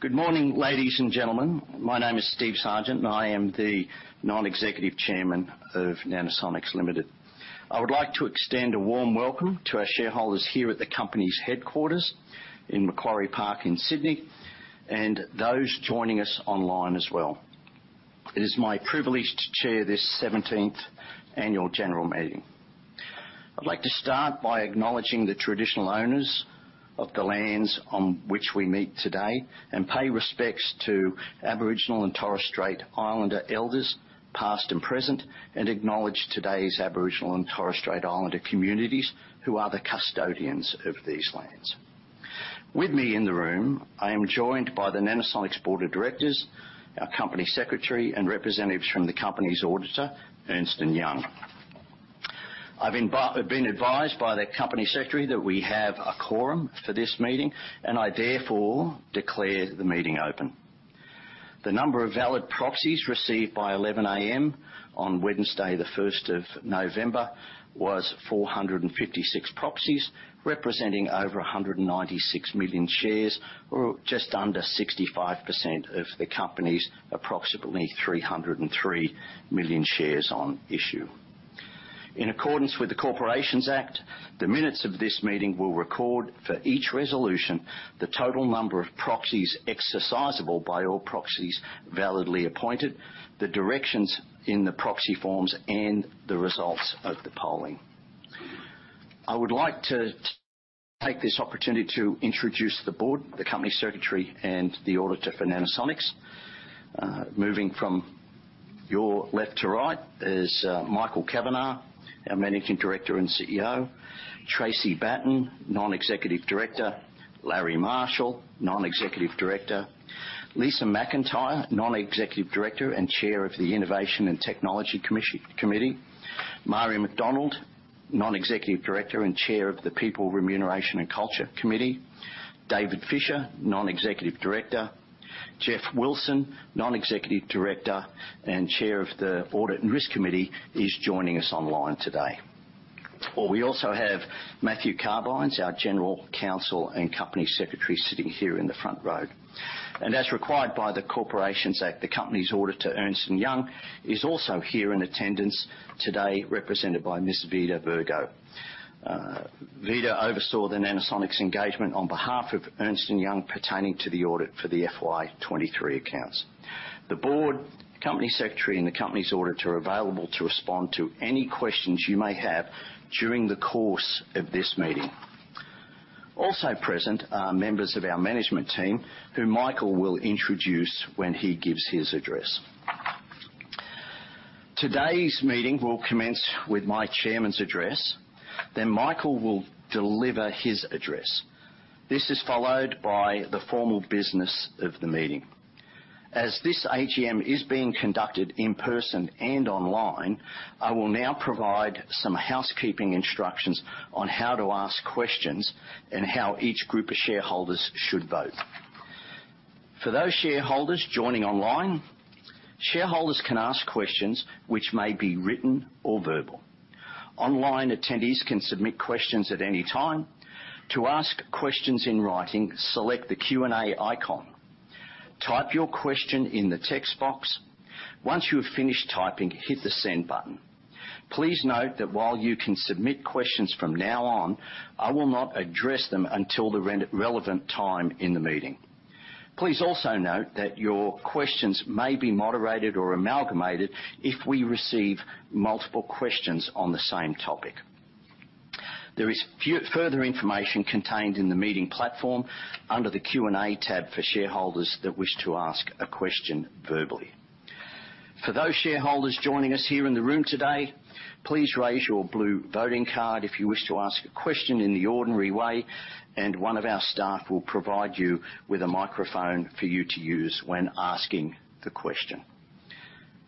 Good morning, ladies and gentlemen. My name is Steve Sargent, and I am the non-executive chairman of Nanosonics Limited. I would like to extend a warm welcome to our shareholders here at the company's headquarters in Macquarie Park in Sydney, and those joining us online as well. It is my privilege to chair this seventeenth annual general meeting. I'd like to start by acknowledging the Traditional Owners of the lands on which we meet today and pay respects to Aboriginal and Torres Strait Islander Elders, past and present, and acknowledge today's Aboriginal and Torres Strait Islander communities, who are the custodians of these lands. With me in the room, I am joined by the Nanosonics board of directors, our company secretary, and representatives from the company's auditor, Ernst & Young. I've been advised by the company secretary that we have a quorum for this meeting, and I therefore declare the meeting open. The number of valid proxies received by 11:00 A.M. on Wednesday, the 1st of November, was 456 proxies, representing over 196 million shares, or just under 65% of the company's approximately 303 million shares on issue. In accordance with the Corporations Act, the minutes of this meeting will record for each resolution, the total number of proxies exercisable by all proxies validly appointed, the directions in the proxy forms, and the results of the polling. I would like to take this opportunity to introduce the board, the company secretary, and the auditor for Nanosonics. Moving from your left to right is Michael Kavanagh, our Managing Director and CEO. Tracey Batten, Non-Executive Director. Larry Marshall, Non-Executive Director. Lisa McIntyre, Non-Executive Director and chair of the Innovation and Technology Committee. Marie McDonald, Non-Executive Director and chair of the People, Remuneration, and Culture Committee. David Fisher, Non-Executive Director. Geoff Wilson, Non-Executive Director and chair of the Audit and Risk Committee, is joining us online today. We also have Matthew Carbines, our General Counsel and Company Secretary, sitting here in the front row. And as required by the Corporations Act, the company's auditor, Ernst & Young, is also here in attendance today, represented by Ms. Vida Virgo. Vida oversaw the Nanosonics engagement on behalf of Ernst & Young pertaining to the audit for the FY 2023 accounts. The board, company secretary, and the company's auditor are available to respond to any questions you may have during the course of this meeting. Also present are members of our management team, who Michael will introduce when he gives his address. Today's meeting will commence with my chairman's address, then Michael will deliver his address. This is followed by the formal business of the meeting. As this AGM is being conducted in person and online, I will now provide some housekeeping instructions on how to ask questions and how each group of shareholders should vote. For those shareholders joining online, shareholders can ask questions which may be written or verbal. Online attendees can submit questions at any time. To ask questions in writing, select the Q&A icon. Type your question in the text box. Once you have finished typing, hit the Send button. Please note that while you can submit questions from now on, I will not address them until the relevant time in the meeting. Please also note that your questions may be moderated or amalgamated if we receive multiple questions on the same topic. There is further information contained in the meeting platform under the Q&A tab for shareholders that wish to ask a question verbally. For those shareholders joining us here in the room today, please raise your blue voting card if you wish to ask a question in the ordinary way, and one of our staff will provide you with a microphone for you to use when asking the question.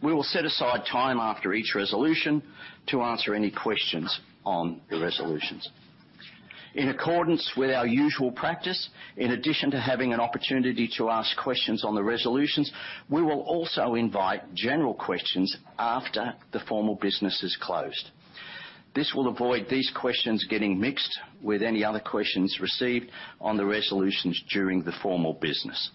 We will set aside time after each resolution to answer any questions on the resolutions. In accordance with our usual practice, in addition to having an opportunity to ask questions on the resolutions, we will also invite general questions after the formal business is closed. This will avoid these questions getting mixed with any other questions received on the resolutions during the formal business.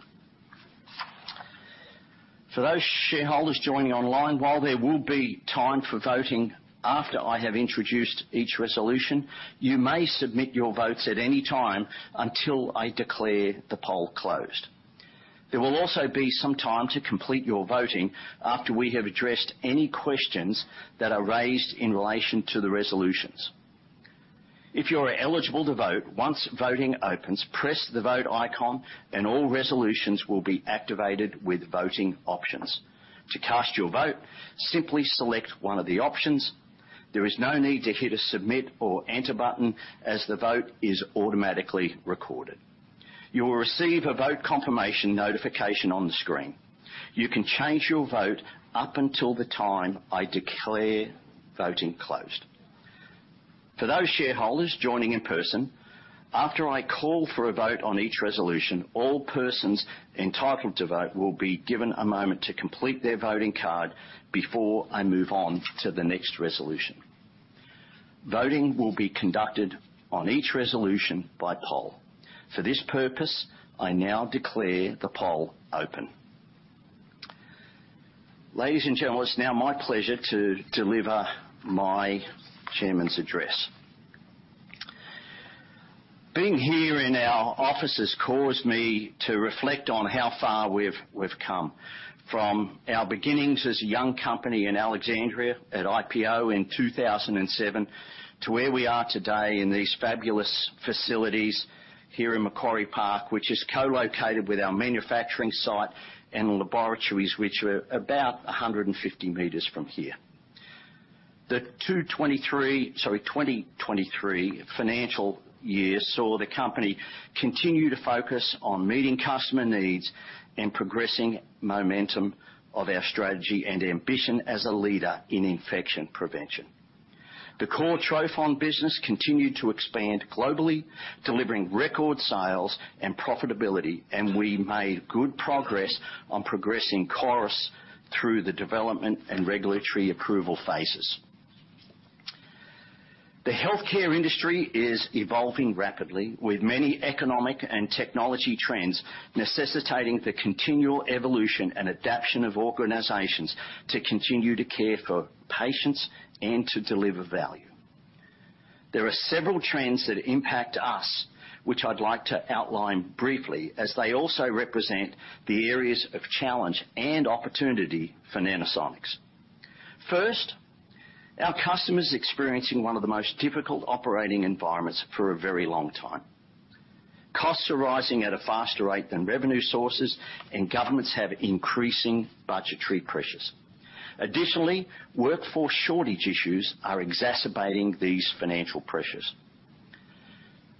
For those shareholders joining online, while there will be time for voting after I have introduced each resolution, you may submit your votes at any time until I declare the poll closed. There will also be some time to complete your voting after we have addressed any questions that are raised in relation to the resolutions. If you are eligible to vote, once voting opens, press the Vote icon and all resolutions will be activated with voting options. To cast your vote, simply select one of the options. There is no need to hit a Submit or Enter button, as the vote is automatically recorded. You will receive a vote confirmation notification on the screen. You can change your vote up until the time I declare voting closed. For those shareholders joining in person, after I call for a vote on each resolution, all persons entitled to vote will be given a moment to complete their voting card before I move on to the next resolution. Voting will be conducted on each resolution by poll. For this purpose, I now declare the poll open. Ladies and gentlemen, it's now my pleasure to deliver my chairman's address. Being here in our offices caused me to reflect on how far we've come, from our beginnings as a young company in Alexandria at IPO in 2007, to where we are today in these fabulous facilities here in Macquarie Park, which is co-located with our manufacturing site and laboratories, which are about 150 meters from here. The 2023, sorry, 2023 financial year saw the company continue to focus on meeting customer needs and progressing momentum of our strategy and ambition as a leader in infection prevention. The core trophon business continued to expand globally, delivering record sales and profitability, and we made good progress on progressing CORIS through the development and regulatory approval phases. The healthcare industry is evolving rapidly, with many economic and technology trends necessitating the continual evolution and adaption of organizations to continue to care for patients and to deliver value. There are several trends that impact us, which I'd like to outline briefly, as they also represent the areas of challenge and opportunity for Nanosonics. First, our customers are experiencing one of the most difficult operating environments for a very long time. Costs are rising at a faster rate than revenue sources, and governments have increasing budgetary pressures. Additionally, workforce shortage issues are exacerbating these financial pressures.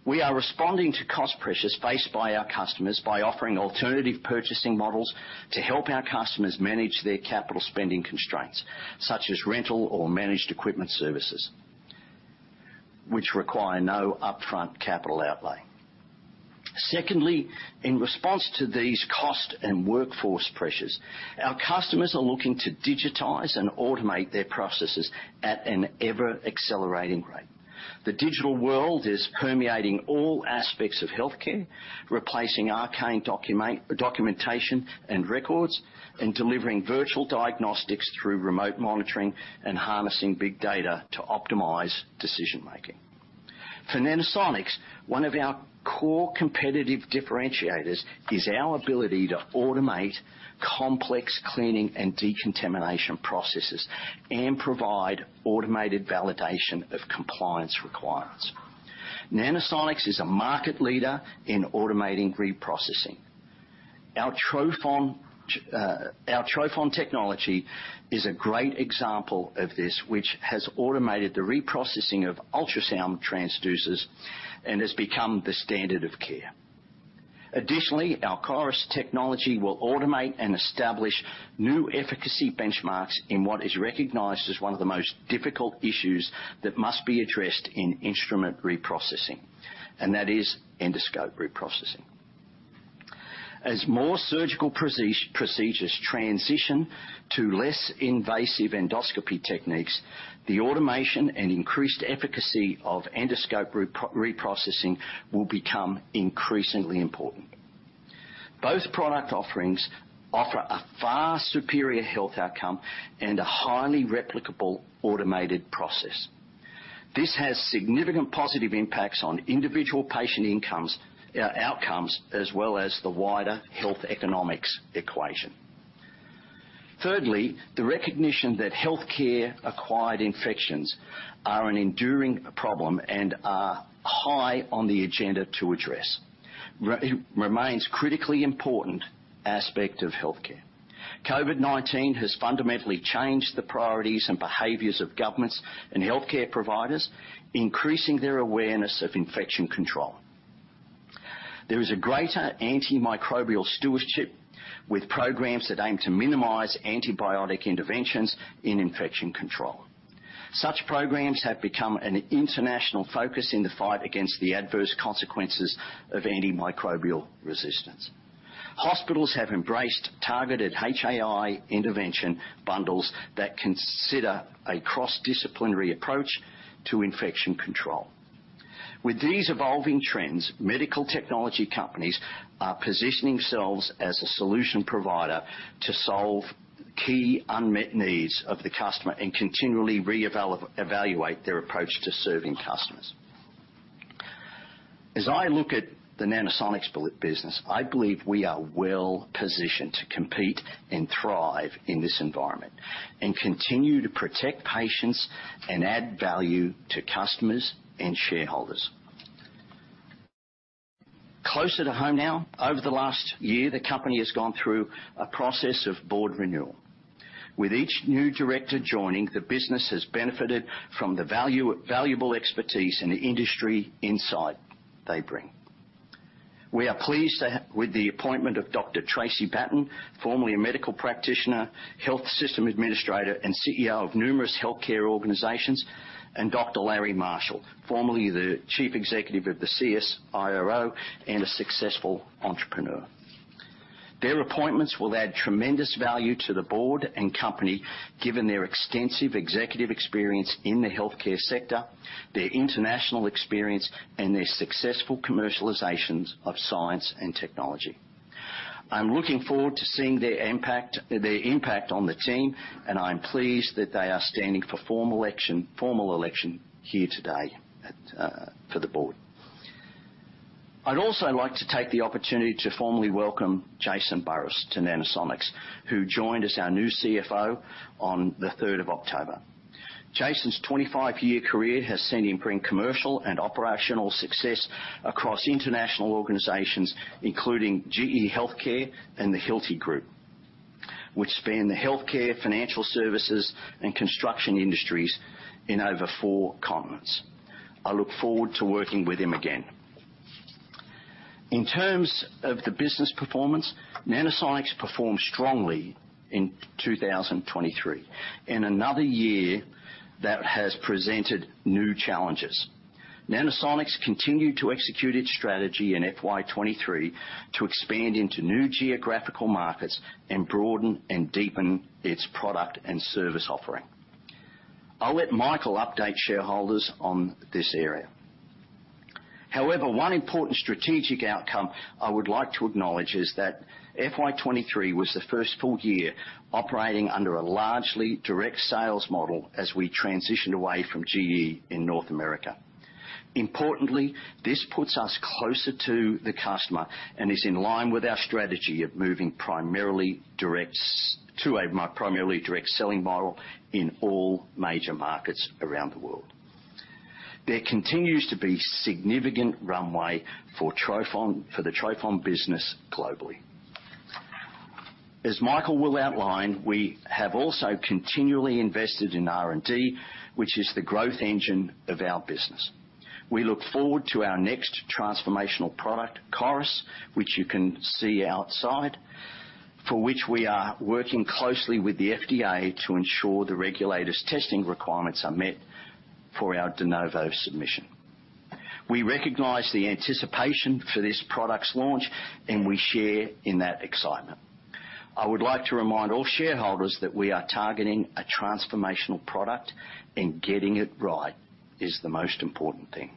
We are responding to cost pressures faced by our customers by offering alternative purchasing models to help our customers manage their capital spending constraints, such as rental or managed equipment services, which require no upfront capital outlay. Secondly, in response to these cost and workforce pressures, our customers are looking to digitize and automate their processes at an ever-accelerating rate. The digital world is permeating all aspects of healthcare, replacing arcane documentation and records, and delivering virtual diagnostics through remote monitoring and harnessing big data to optimize decision-making. For Nanosonics, one of our core competitive differentiators is our ability to automate complex cleaning and decontamination processes and provide automated validation of compliance requirements. Nanosonics is a market leader in automating reprocessing. Our trophon, our trophon technology is a great example of this, which has automated the reprocessing of ultrasound transducers and has become the standard of care. Additionally, our CORIS technology will automate and establish new efficacy benchmarks in what is recognized as one of the most difficult issues that must be addressed in instrument reprocessing, and that is endoscope reprocessing. As more surgical procedures transition to less invasive endoscopy techniques, the automation and increased efficacy of endoscope reprocessing will become increasingly important. Both product offerings offer a far superior health outcome and a highly replicable, automated process. This has significant positive impacts on individual patient incomes, outcomes, as well as the wider health economics equation. Thirdly, the recognition that healthcare-acquired infections are an enduring problem and are high on the agenda to address. Remains critically important aspect of healthcare. COVID-19 has fundamentally changed the priorities and behaviors of governments and healthcare providers, increasing their awareness of infection control. There is a greater antimicrobial stewardship with programs that aim to minimize antibiotic interventions in infection control. Such programs have become an international focus in the fight against the adverse consequences of antimicrobial resistance. Hospitals have embraced targeted HAI intervention bundles that consider a cross-disciplinary approach to infection control. With these evolving trends, medical technology companies are positioning themselves as a solution provider to solve key unmet needs of the customer and continually reevaluate their approach to serving customers. As I look at the Nanosonics business, I believe we are well-positioned to compete and thrive in this environment, and continue to protect patients and add value to customers and shareholders. Closer to home now, over the last year, the company has gone through a process of board renewal. With each new director joining, the business has benefited from the valuable expertise and the industry insight they bring. We are pleased with the appointment of Dr. Tracey Batten, formerly a medical practitioner, health system administrator, and CEO of numerous healthcare organizations, and Dr. Larry Marshall, formerly the Chief Executive of the CSIRO and a successful entrepreneur. Their appointments will add tremendous value to the board and company, given their extensive executive experience in the healthcare sector, their international experience, and their successful commercializations of science and technology. I'm looking forward to seeing their impact, their impact on the team, and I'm pleased that they are standing for formal election, formal election here today for the board. I'd also like to take the opportunity to formally welcome Jason Burriss to Nanosonics, who joined as our new CFO on the third of October. Jason's 25-year career has seen him bring commercial and operational success across international organizations, including GE Healthcare and the Hilti Group, which span the healthcare, financial services, and construction industries in over four continents. I look forward to working with him again. In terms of the business performance, Nanosonics performed strongly in 2023. In another year that has presented new challenges, Nanosonics continued to execute its strategy in FY 2023 to expand into new geographical markets and broaden and deepen its product and service offering. I'll let Michael update shareholders on this area. However, one important strategic outcome I would like to acknowledge is that FY 2023 was the first full year operating under a largely direct sales model as we transitioned away from GE in North America. Importantly, this puts us closer to the customer and is in line with our strategy of moving primarily direct to a primarily direct selling model in all major markets around the world. There continues to be significant runway for trophon for the trophon business globally. As Michael will outline, we have also continually invested in R&D, which is the growth engine of our business. We look forward to our next transformational product, CORIS, which you can see outside, for which we are working closely with the FDA to ensure the regulator's testing requirements are met for our de novo submission. We recognize the anticipation for this product's launch, and we share in that excitement. I would like to remind all shareholders that we are targeting a transformational product, and getting it right is the most important thing.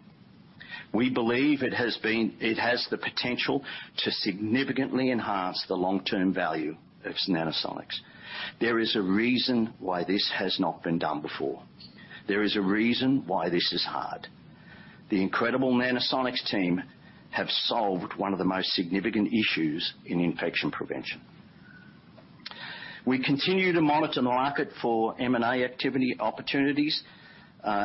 We believe it has been. It has the potential to significantly enhance the long-term value of Nanosonics. There is a reason why this has not been done before. There is a reason why this is hard. The incredible Nanosonics team have solved one of the most significant issues in infection prevention. We continue to monitor the market for M&A activity opportunities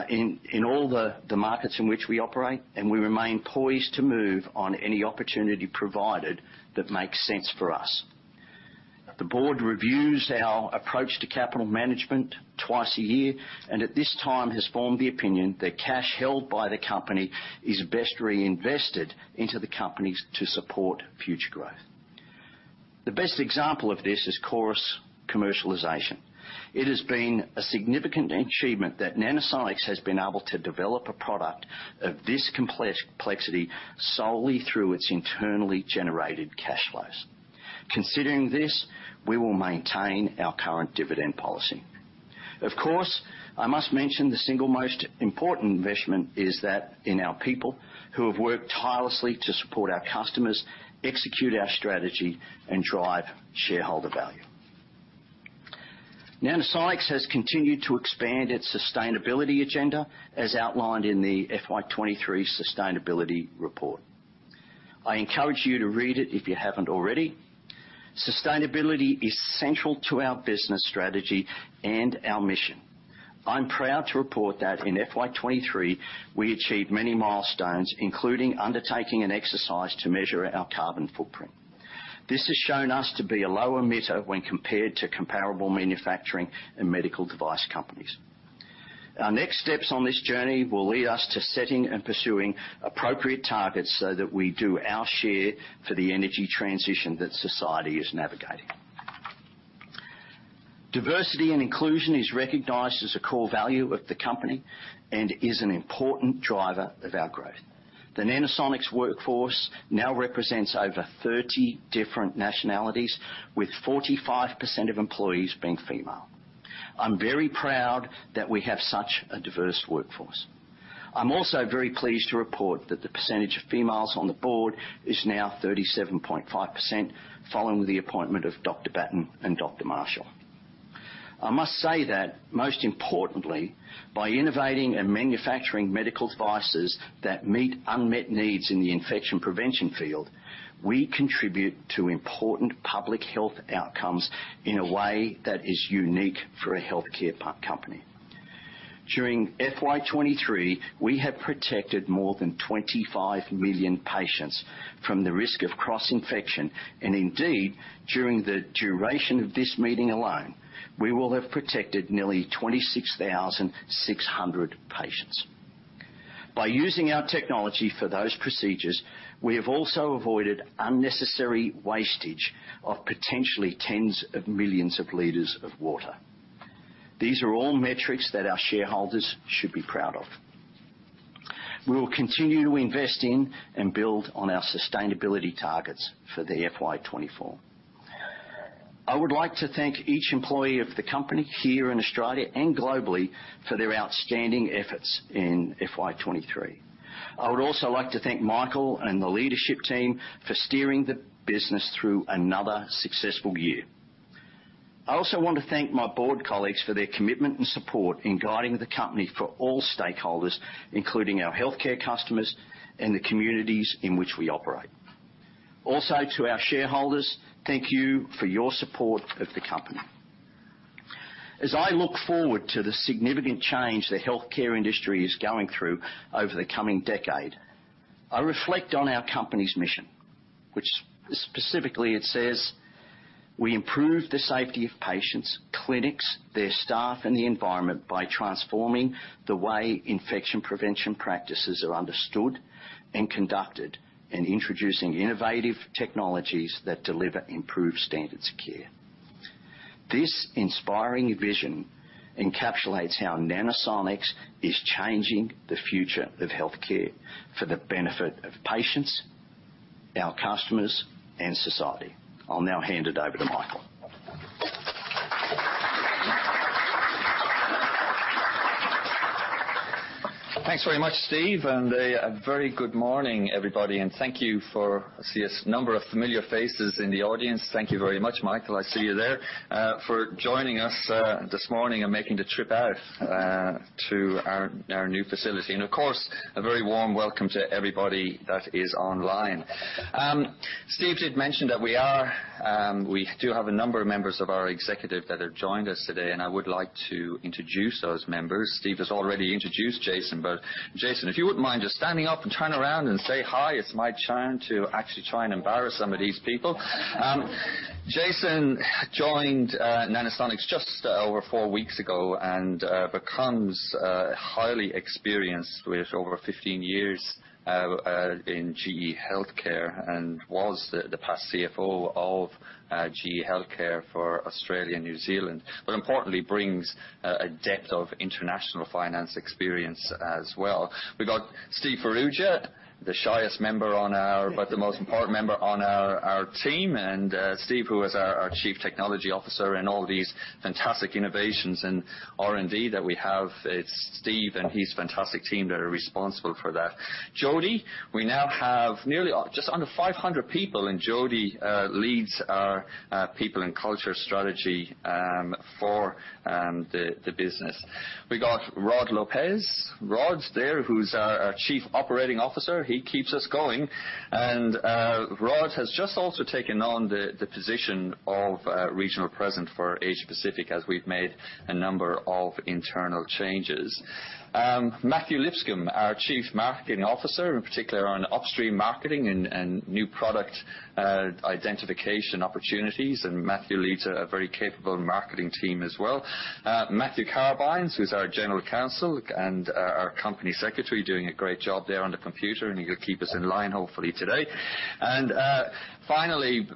in all the markets in which we operate, and we remain poised to move on any opportunity provided that makes sense for us. The board reviews our approach to capital management twice a year, and at this time has formed the opinion that cash held by the company is best reinvested into the company to support future growth. The best example of this is CORIS commercialization. It has been a significant achievement that Nanosonics has been able to develop a product of this complexity solely through its internally generated cash flows. Considering this, we will maintain our current dividend policy. Of course, I must mention the single most important investment is that in our people, who have worked tirelessly to support our customers, execute our strategy, and drive shareholder value. Nanosonics has continued to expand its sustainability agenda, as outlined in the FY 2023 sustainability report. I encourage you to read it if you haven't already. Sustainability is central to our business strategy and our mission. I'm proud to report that in FY 2023, we achieved many milestones, including undertaking an exercise to measure our carbon footprint. This has shown us to be a low emitter when compared to comparable manufacturing and medical device companies. Our next steps on this journey will lead us to setting and pursuing appropriate targets so that we do our share for the energy transition that society is navigating. Diversity and inclusion is recognized as a core value of the company and is an important driver of our growth. The Nanosonics workforce now represents over 30 different nationalities, with 45% of employees being female. I'm very proud that we have such a diverse workforce. I'm also very pleased to report that the percentage of females on the board is now 37.5%, following the appointment of Dr. Batten and Dr. Marshall. I must say that, most importantly, by innovating and manufacturing medical devices that meet unmet needs in the infection prevention field, we contribute to important public health outcomes in a way that is unique for a healthcare company. During FY 2023, we have protected more than 25 million patients from the risk of cross-infection, and indeed, during the duration of this meeting alone, we will have protected nearly 26,600 patients. By using our technology for those procedures, we have also avoided unnecessary wastage of potentially tens of millions of liters of water. These are all metrics that our shareholders should be proud of. We will continue to invest in and build on our sustainability targets for the FY 2024. I would like to thank each employee of the company here in Australia and globally for their outstanding efforts in FY 2023. I would also like to thank Michael and the leadership team for steering the business through another successful year. I also want to thank my board colleagues for their commitment and support in guiding the company for all stakeholders, including our healthcare customers and the communities in which we operate. Also, to our shareholders, thank you for your support of the company. As I look forward to the significant change the healthcare industry is going through over the coming decade, I reflect on our company's mission, which specifically it says: "We improve the safety of patients, clinics, their staff, and the environment by transforming the way infection prevention practices are understood and conducted, and introducing innovative technologies that deliver improved standards of care." This inspiring vision encapsulates how Nanosonics is changing the future of healthcare for the benefit of patients, our customers, and society. I'll now hand it over to Michael. Thanks very much, Steve, and a very good morning, everybody, and thank you for... I see a number of familiar faces in the audience. Thank you very much, Michael. I see you there for joining us this morning and making the trip out to our new facility. And, of course, a very warm welcome to everybody that is online. Steve did mention that we are, we do have a number of members of our executive that have joined us today, and I would like to introduce those members. Steve has already introduced Jason, but Jason, if you wouldn't mind just standing up and turn around and say hi, it's my chance to actually try and embarrass some of these people. Jason joined Nanosonics just over four weeks ago and becomes highly experienced, with over 15 years in GE Healthcare, and was the past CFO of GE Healthcare for Australia and New Zealand. But importantly, brings a depth of international finance experience as well. We've got Steve Farrugia, the shyest member on our, but the most important member on our team, and Steve, who is our Chief Technology Officer, and all these fantastic innovations and R&D that we have, it's Steve and his fantastic team that are responsible for that. Jodi, we now have nearly just under 500 people, and Jodi leads our people and culture strategy for the business. We've got Rod Lopez. Rod's there, who's our Chief Operating Officer. He keeps us going. And, Rod has just also taken on the position of Regional President for Asia Pacific, as we've made a number of internal changes. Matthew Lipscombe, our Chief Marketing Officer, in particular on upstream marketing and new product identification opportunities, and Matthew leads a very capable marketing team as well. Matthew Carbines, who's our General Counsel and our Company Secretary, doing a great job there on the computer, and he will keep us in line hopefully today. And, finally,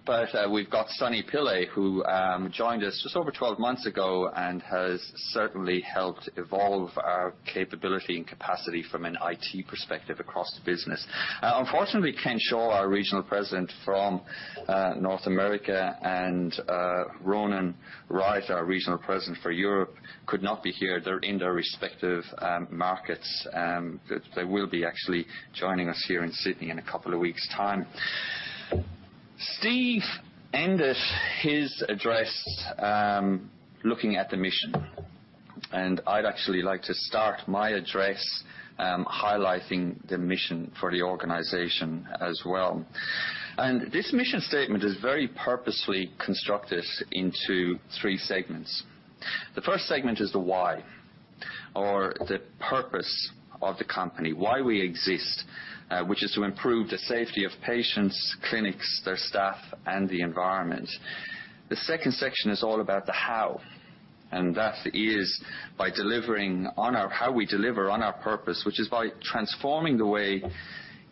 we've got Sunny Pillay, who joined us just over 12 months ago and has certainly helped evolve our capability and capacity from an IT perspective across the business. Unfortunately, Ken Shaw, our Regional President from North America, and Ronan Rice, our Regional President for Europe, could not be here. They're in their respective markets, but they will be actually joining us here in Sydney in a couple of weeks' time. Steve ended his address looking at the mission, and I'd actually like to start my address highlighting the mission for the organization as well. This mission statement is very purposely constructed into three segments. The first segment is the why, or the purpose of the company, why we exist, which is to improve the safety of patients, clinics, their staff, and the environment. The second section is all about the how, and that is by how we deliver on our purpose, which is by transforming the way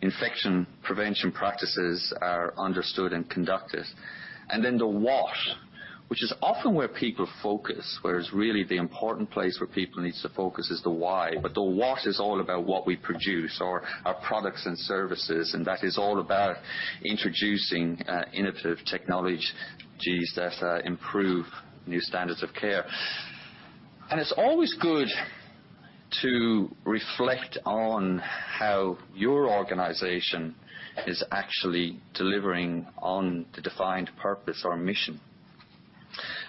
infection prevention practices are understood and conducted. Then the what, which is often where people focus, whereas really the important place where people need to focus is the why. But the what is all about what we produce or our products and services, and that is all about introducing innovative technologies that improve new standards of care. It's always good to reflect on how your organization is actually delivering on the defined purpose or mission,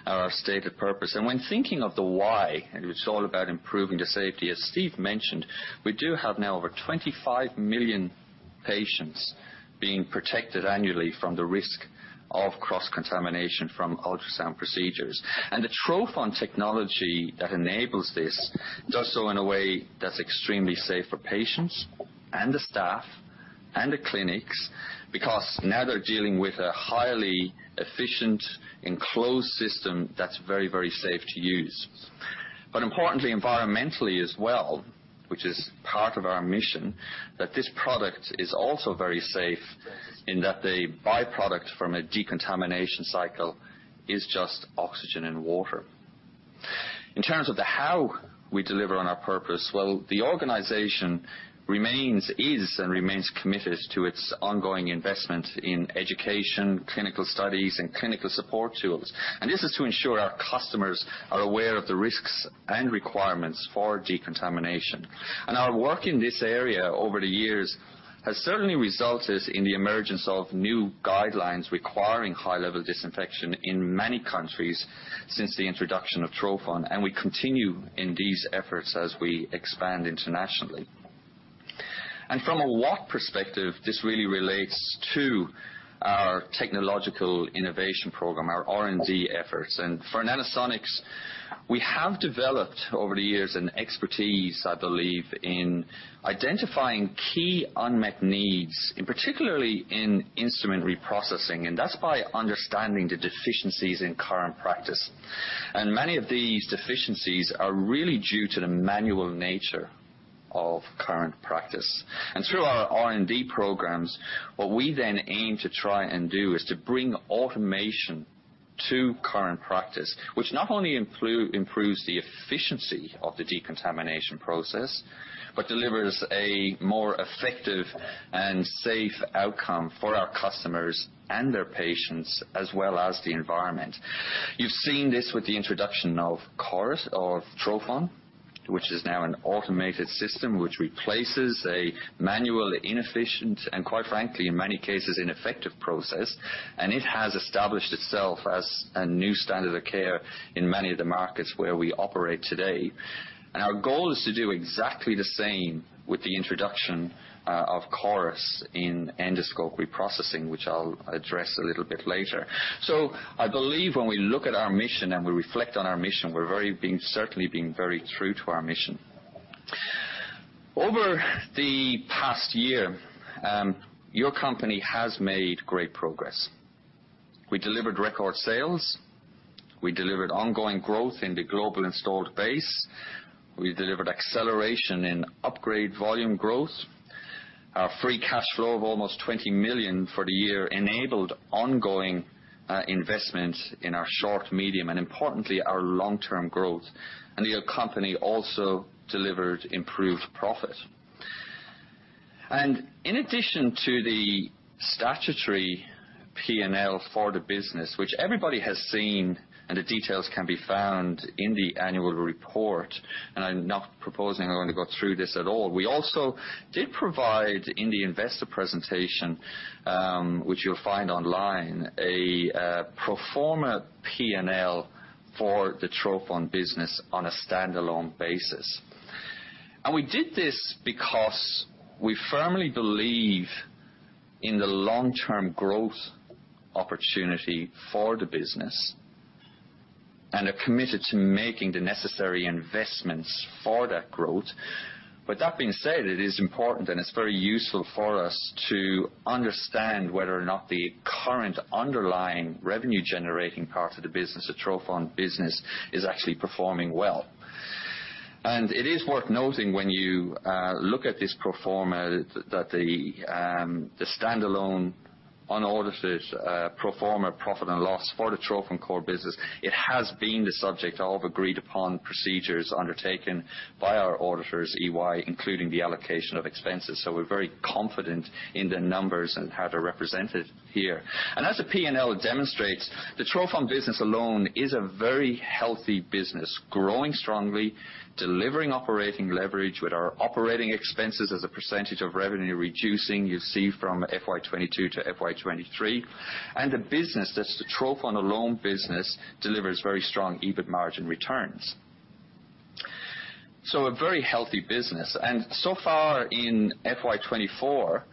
or our stated purpose. When thinking of the why, and it's all about improving the safety, as Steve mentioned, we do have now over 25 million patients being protected annually from the risk of cross-contamination from ultrasound procedures. The trophon technology that enables this does so in a way that's extremely safe for patients, and the staff, and the clinics, because now they're dealing with a highly efficient, enclosed system that's very, very safe to use. But importantly, environmentally as well, which is part of our mission, that this product is also very safe in that the by-product from a decontamination cycle is just oxygen and water. In terms of the how we deliver on our purpose, well, the organization remains, is, and remains committed to its ongoing investment in education, clinical studies, and clinical support tools. And this is to ensure our customers are aware of the risks and requirements for decontamination. And our work in this area over the years has certainly resulted in the emergence of new guidelines requiring high-level disinfection in many countries since the introduction of trophon, and we continue in these efforts as we expand internationally. And from a what perspective, this really relates to our technological innovation program, our R&D efforts. For Nanosonics, we have developed over the years an expertise, I believe, in identifying key unmet needs, particularly in instrument reprocessing, and that's by understanding the deficiencies in current practice. Many of these deficiencies are really due to the manual nature of current practice. Through our R&D programs, what we then aim to try and do is to bring automation to current practice, which not only improves the efficiency of the decontamination process, but delivers a more effective and safe outcome for our customers and their patients, as well as the environment. You've seen this with the introduction of CORIS or trophon, which is now an automated system which replaces a manual, inefficient, and, quite frankly, in many cases, ineffective process. It has established itself as a new standard of care in many of the markets where we operate today. Our goal is to do exactly the same with the introduction of CORIS in endoscope reprocessing, which I'll address a little bit later. So I believe when we look at our mission and we reflect on our mission, we're very being certainly being very true to our mission. Over the past year, your company has made great progress. We delivered record sales, we delivered ongoing growth in the global installed base, we delivered acceleration in upgrade volume growth. Our free cash flow of almost 20 million for the year enabled ongoing investments in our short, medium, and importantly, our long-term growth. The company also delivered improved profit. In addition to the statutory P&L for the business, which everybody has seen, and the details can be found in the Annual Report, and I'm not proposing I'm going to go through this at all. We also did provide in the investor presentation, which you'll find online, a pro forma P&L for the trophon business on a standalone basis. We did this because we firmly believe in the long-term growth opportunity for the business, and are committed to making the necessary investments for that growth. But that being said, it is important, and it's very useful for us to understand whether or not the current underlying revenue-generating part of the business, the trophon business, is actually performing well. It is worth noting when you look at this pro forma, that the standalone, unaudited pro forma profit and loss for the trophon core business, it has been the subject of agreed-upon procedures undertaken by our auditors, EY, including the allocation of expenses. So we're very confident in the numbers and how they're represented here. As the P&L demonstrates, the trophon business alone is a very healthy business, growing strongly, delivering operating leverage with our operating expenses as a percentage of revenue reducing, you see from FY 2022 to FY 2023. And the business, that's the trophon alone business, delivers very strong EBIT margin returns. So a very healthy business. And so far in FY 2024,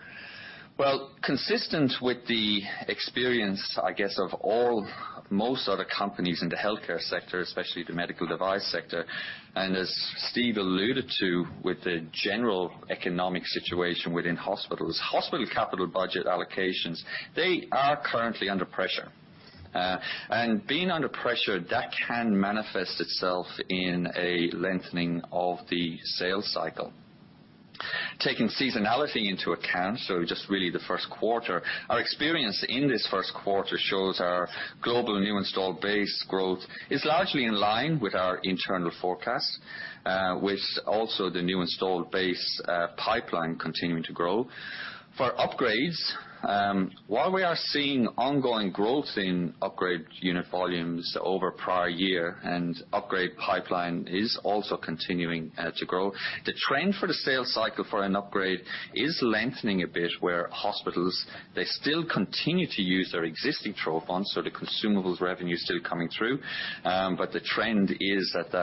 well, consistent with the experience, I guess, of all, most other companies in the healthcare sector, especially the medical device sector, and as Steve alluded to, with the general economic situation within hospitals, hospital capital budget allocations, they are currently under pressure. And being under pressure, that can manifest itself in a lengthening of the sales cycle. Taking seasonality into account, so just really the first quarter, our experience in this first quarter shows our global new installed base growth is largely in line with our internal forecast, with also the new installed base pipeline continuing to grow. For upgrades, while we are seeing ongoing growth in upgrade unit volumes over prior year, and upgrade pipeline is also continuing to grow, the trend for the sales cycle for an upgrade is lengthening a bit, where hospitals, they still continue to use their existing trophon, so the consumables revenue is still coming through. But the trend is that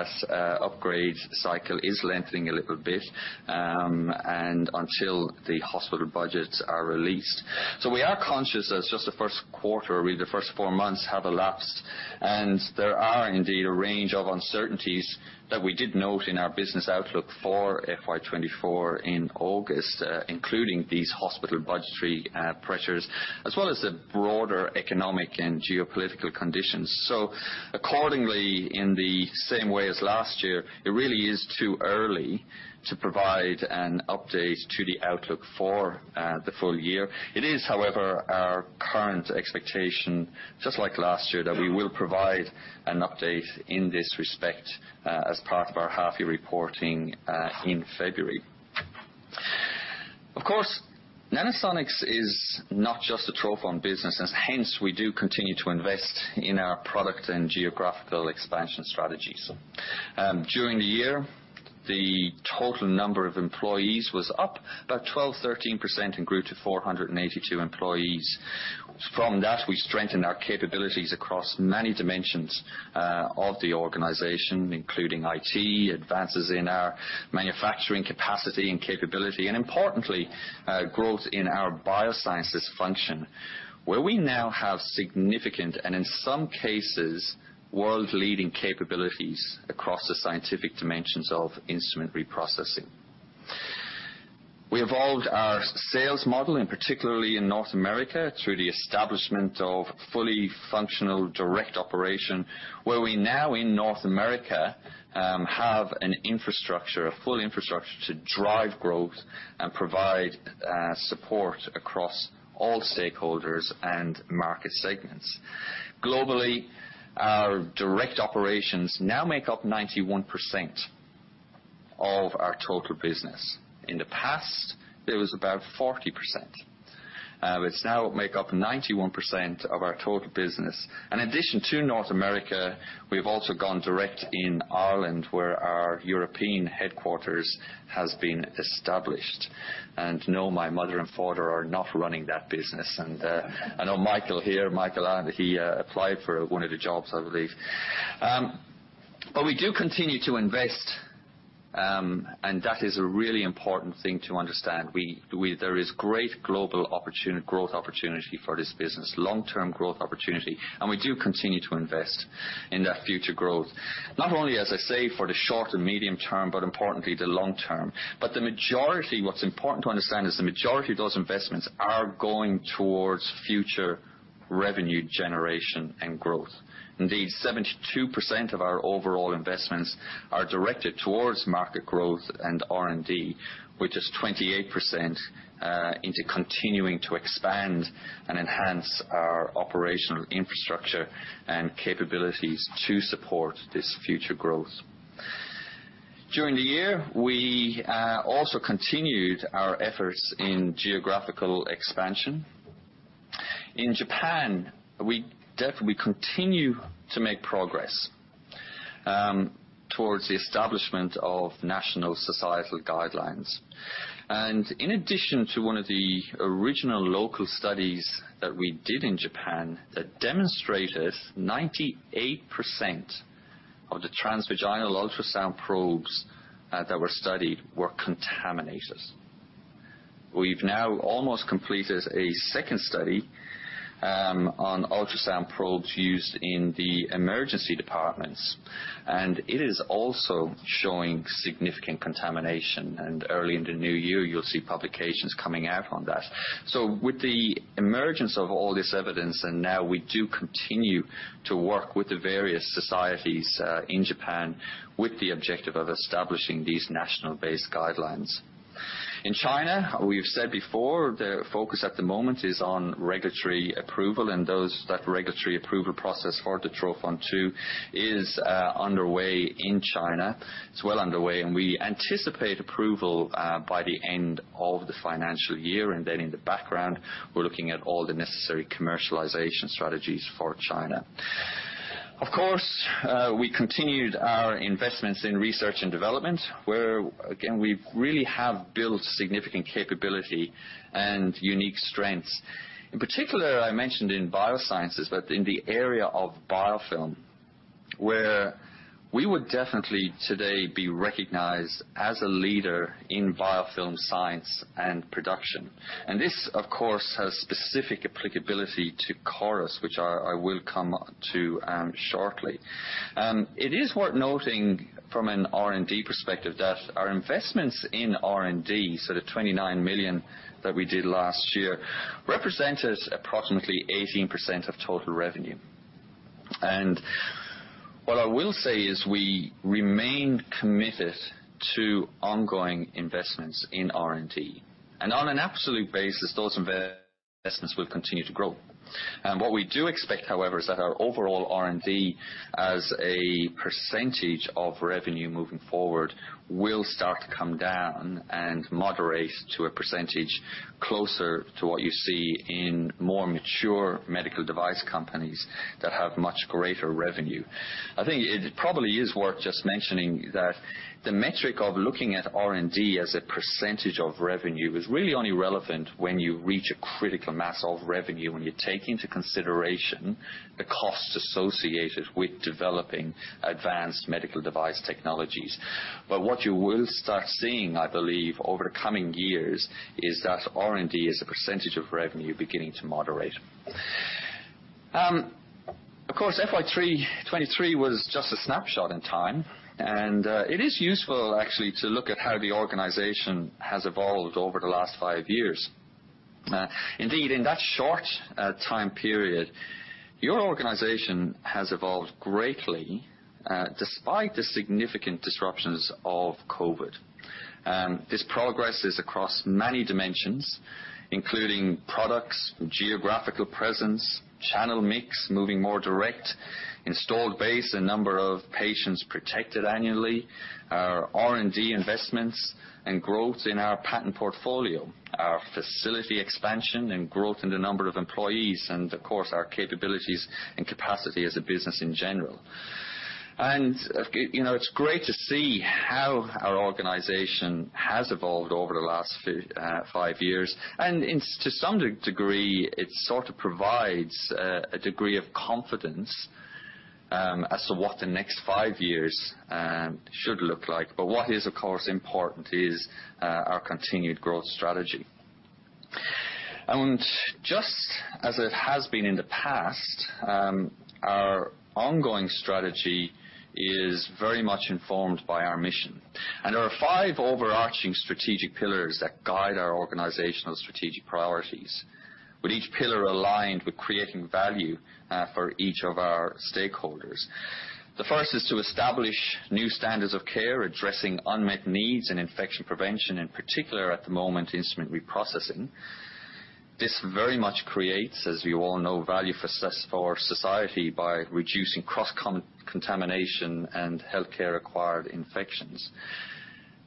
upgrade cycle is lengthening a little bit, and until the hospital budgets are released. So we are conscious that it's just the first quarter, really, the first four months have elapsed, an there are indeed a range of uncertainties that we did note in our business outlook for FY 2024 in August, including these hospital budgetary pressures, as well as the broader economic and geopolitical conditions. So accordingly, in the same way as last year, it really is too early to provide an update to the outlook for the full year. It is, however, our current expectation, just like last year, that we will provide an update in this respect as part of our half-year reporting in February. Of course, Nanosonics is not just a trophon business, as hence, we do continue to invest in our product and geographical expansion strategies. During the year, the total number of employees was up about 12%-13%, and grew to 482 employees. From that, we strengthened our capabilities across many dimensions of the organization, including IT, advances in our manufacturing capacity and capability, and importantly, growth in our biosciences function, where we now have significant, and in some cases, world-leading capabilities across the scientific dimensions of instrument reprocessing. We evolved our sales model, and particularly in North America, through the establishment of fully functional direct operation, where we now, in North America, have an infrastructure, a full infrastructure, to drive growth and provide support across all stakeholders and market segments. Globally, our direct operations now make up 91% of our total business. In the past, it was about 40%. It's now make up 91% of our total business. In addition to North America, we've also gone direct in Ireland, where our European headquarters has been established. And no, my mother and father are not running that business. And, I know Michael here, Michael, and he applied for one of the jobs, I believe. But we do continue to invest, and that is a really important thing to understand. There is great global opportunity, growth opportunity for this business, long-term growth opportunity, and we do continue to invest in that future growth. Not only, as I say, for the short and medium term, but importantly, the long term. But the majority, what's important to understand, is the majority of those investments are going towards future revenue generation and growth. Indeed, 72% of our overall investments are directed towards market growth and R&D, which is 28%, into continuing to expand and enhance our operational infrastructure and capabilities to support this future growth. During the year, we also continued our efforts in geographical expansion. In Japan, we continue to make progress towards the establishment of national societal guidelines. And in addition to one of the original local studies that we did in Japan, that demonstrated 98% of the transvaginal ultrasound probes that were studied were contaminated. We've now almost completed a second study on ultrasound probes used in the emergency departments, and it is also showing significant contamination, and early in the new year, you'll see publications coming out on that. So with the emergence of all this evidence, and now we do continue to work with the various societies in Japan, with the objective of establishing these national-based guidelines. In China, we've said before, the focus at the moment is on regulatory approval, and that regulatory approval process for the trophon2 is underway in China. It's well underway, and we anticipate approval by the end of the financial year, and then in the background, we're looking at all the necessary commercialization strategies for China. Of course, we continued our investments in research and development, where, again, we really have built significant capability and unique strengths. In particular, I mentioned in biosciences, but in the area of biofilm, where we would definitely today be recognized as a leader in biofilm science and production. This, of course, has specific applicability to CORIS, which I will come to shortly. It is worth noting from an R&D perspective, that our investments in R&D, so the 29 million that we did last year, represented approximately 18% of total revenue. What I will say is we remain committed to ongoing investments in R&D, and on an absolute basis, those investments will continue to grow. What we do expect, however, is that our overall R&D, as a percentage of revenue moving forward, will start to come down and moderate to a percentage closer to what you see in more mature medical device companies that have much greater revenue. I think it probably is worth just mentioning that the metric of looking at R&D as a percentage of revenue is really only relevant when you reach a critical mass of revenue, when you take into consideration the costs associated with developing advanced medical device technologies. But what you will start seeing, I believe, over the coming years, is that R&D, as a percentage of revenue, beginning to moderate. Of course, FY 2023 was just a snapshot in time, and it is useful, actually, to look at how the organization has evolved over the last five years. Indeed, in that short time period, your organization has evolved greatly, despite the significant disruptions of COVID. This progress is across many dimensions, including products, geographical presence, channel mix, moving more direct, installed base, the number of patients protected annually, our R&D investments, and growth in our patent portfolio, our facility expansion, and growth in the number of employees, and of course, our capabilities and capacity as a business in general. And, you know, it's great to see how our organization has evolved over the last five years, and to some degree, it sort of provides a degree of confidence as to what the next five years should look like. But what is, of course, important is our continued growth strategy. And just as it has been in the past, our ongoing strategy is very much informed by our mission. There are five overarching strategic pillars that guide our organizational strategic priorities, with each pillar aligned with creating value for each of our stakeholders. The first is to establish new standards of care, addressing unmet needs and infection prevention, in particular, at the moment, instrument reprocessing. This very much creates, as you all know, value for society by reducing cross-contamination and healthcare-acquired infections.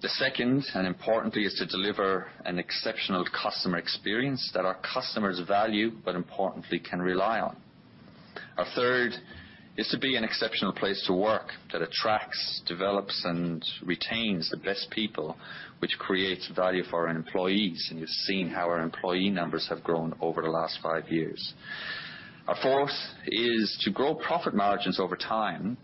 The second, and importantly, is to deliver an exceptional customer experience that our customers value, but importantly, can rely on. Our third is to be an exceptional place to work that attracts, develops, and retains the best people, which creates value for our employees, and you've seen how our employee numbers have grown over the last five years. Our fourth is to grow profit margins over time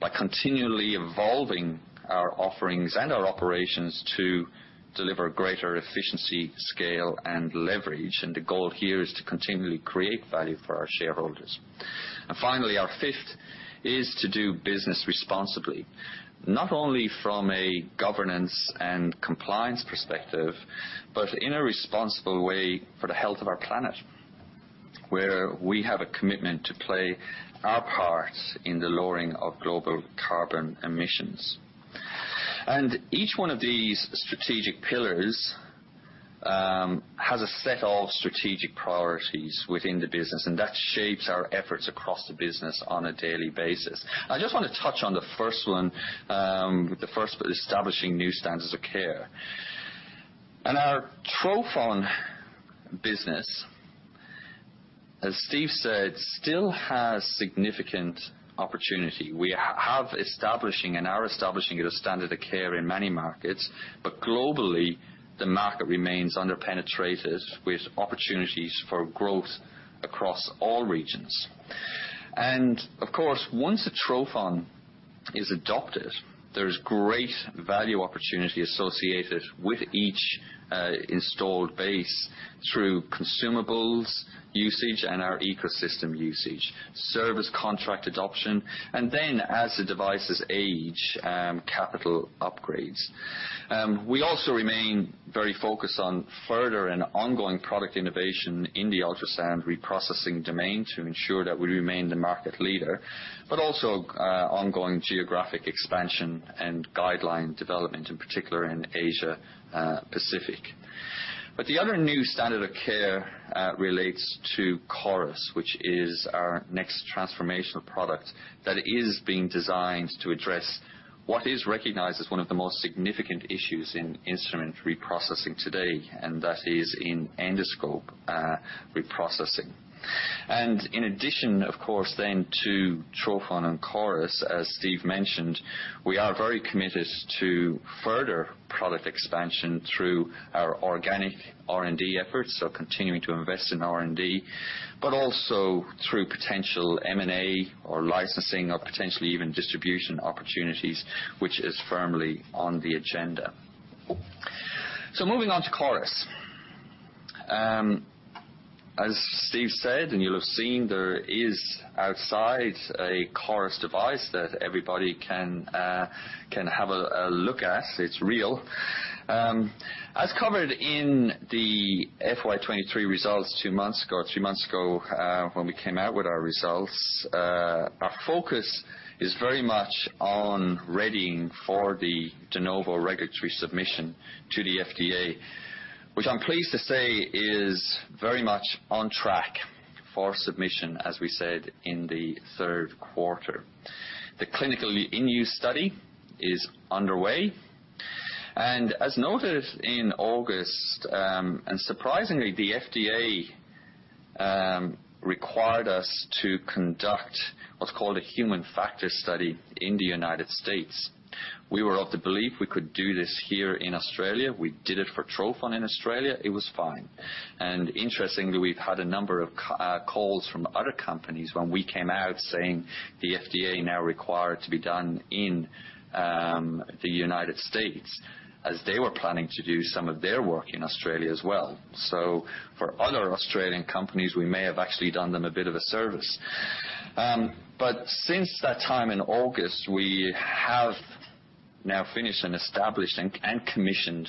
by continually evolving our offerings and our operations to deliver greater efficiency, scale, and leverage. The goal here is to continually create value for our shareholders. Finally, our fifth is to do business responsibly, not only from a governance and compliance perspective, but in a responsible way for the health of our planet, where we have a commitment to play our part in the lowering of global carbon emissions. Each one of these strategic pillars has a set of strategic priorities within the business, and that shapes our efforts across the business on a daily basis. I just wanna touch on the first one, establishing new standards of care. Our trophon business, as Steve said, still has significant opportunity. We have establishing and are establishing it as a standard of care in many markets, but globally, the market remains underpenetrated, with opportunities for growth across all regions. Of course, once a trophon is adopted, there's great value opportunity associated with each, installed base through consumables, usage, and our ecosystem usage, service contract adoption, and then, as the devices age, capital upgrades. We also remain very focused on further and ongoing product innovation in the ultrasound reprocessing domain to ensure that we remain the market leader, but also, ongoing geographic expansion and guideline development, in particular in Asia Pacific. But the other new standard of care, relates to CORIS, which is our next transformational product that is being designed to address what is recognized as one of the most significant issues in instrument reprocessing today, and that is in endoscope reprocessing. In addition, of course, then to trophon and CORIS, as Steve mentioned, we are very committed to further product expansion through our organic R&D efforts, so continuing to invest in R&D, but also through potential M&A or licensing or potentially even distribution opportunities, which is firmly on the agenda. So moving on to CORIS. As Steve said, and you'll have seen, there is outside a CORIS device that everybody can have a look at. It's real. As covered in the FY 2023 results two months ago or three months ago, when we came out with our results, our focus is very much on readying for the de novo regulatory submission to the FDA, which I'm pleased to say is very much on track for submission, as we said in the third quarter. The clinically in-use study is underway, and as noted in August, and surprisingly, the FDA required us to conduct what's called a human factors study in the United States. We were of the belief we could do this here in Australia. We did it for trophon in Australia. It was fine. And interestingly, we've had a number of calls from other companies when we came out, saying the FDA now required to be done in the United States, as they were planning to do some of their work in Australia as well. So for other Australian companies, we may have actually done them a bit of a service. But since that time in August, we have now finished and established and commissioned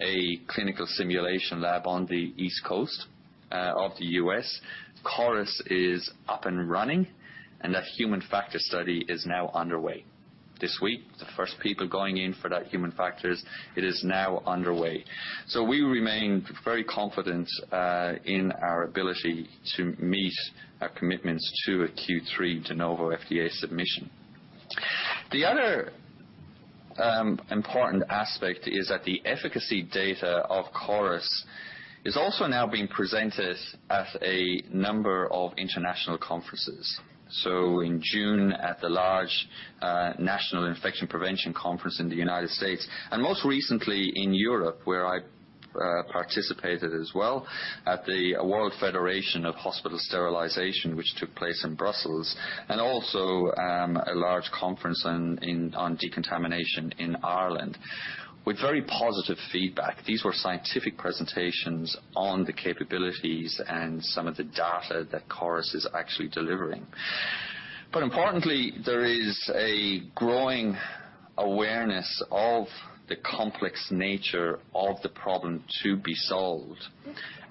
a clinical simulation lab on the East Coast of the U.S. CORIS is up and running, and that human factors study is now underway. This week, the first people going in for that human factors, it is now underway. So we remain very confident in our ability to meet our commitments to a Q3 de novo FDA submission. The other important aspect is that the efficacy data of CORIS is also now being presented at a number of international conferences. So in June, at the large National Infection Prevention Conference in the United States, and most recently in Europe, where I participated as well at the World Federation of Hospital Sterilization, which took place in Brussels, and also a large conference on decontamination in Ireland, with very positive feedback. These were scientific presentations on the capabilities and some of the data that CORIS is actually delivering. But importantly, there is a growing awareness of the complex nature of the problem to be solved,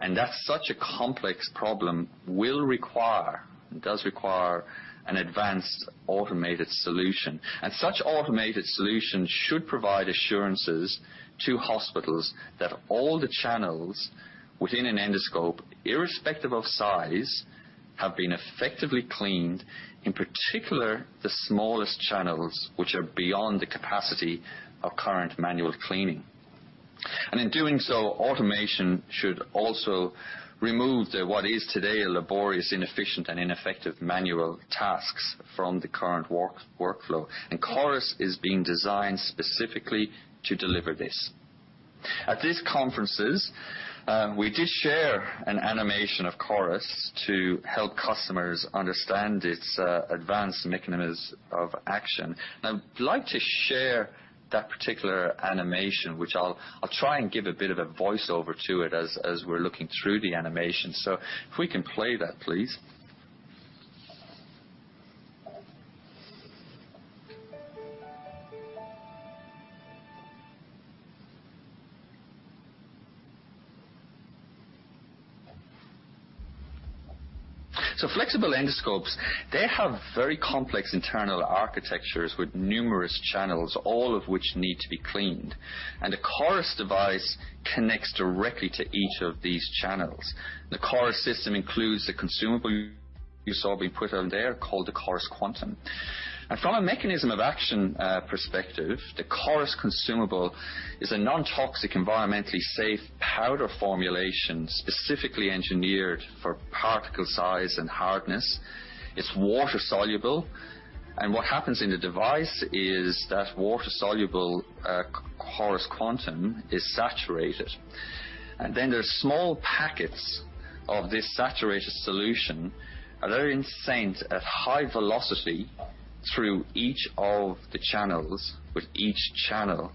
and that such a complex problem will require, and does require, an advanced automated solution. And such automated solution should provide assurances to hospitals that all the channels within an endoscope, irrespective of size, have been effectively cleaned, in particular, the smallest channels, which are beyond the capacity of current manual cleaning. And in doing so, automation should also remove what is today a laborious, inefficient, and ineffective manual tasks from the current workflow, and CORIS is being designed specifically to deliver this. At these conferences, we did share an animation of CORIS to help customers understand its advanced mechanisms of action. And I'd like to share that particular animation, which I'll try and give a bit of a voice-over to it as we're looking through the animation. So if we can play that, please. So flexible endoscopes, they have very complex internal architectures with numerous channels, all of which need to be cleaned. And the CORIS device connects directly to each of these channels. The CORIS system includes a consumable you saw being put on there, called the CORIS QUANTUM. And from a mechanism of action, perspective, the CORIS consumable is a non-toxic, environmentally safe powder formulation, specifically engineered for particle size and hardness. It's water-soluble, and what happens in the device is that water-soluble CORIS QUANTUM is saturated. And then there are small packets of this saturated solution, and they're injected at high velocity through each of the channels, with each channel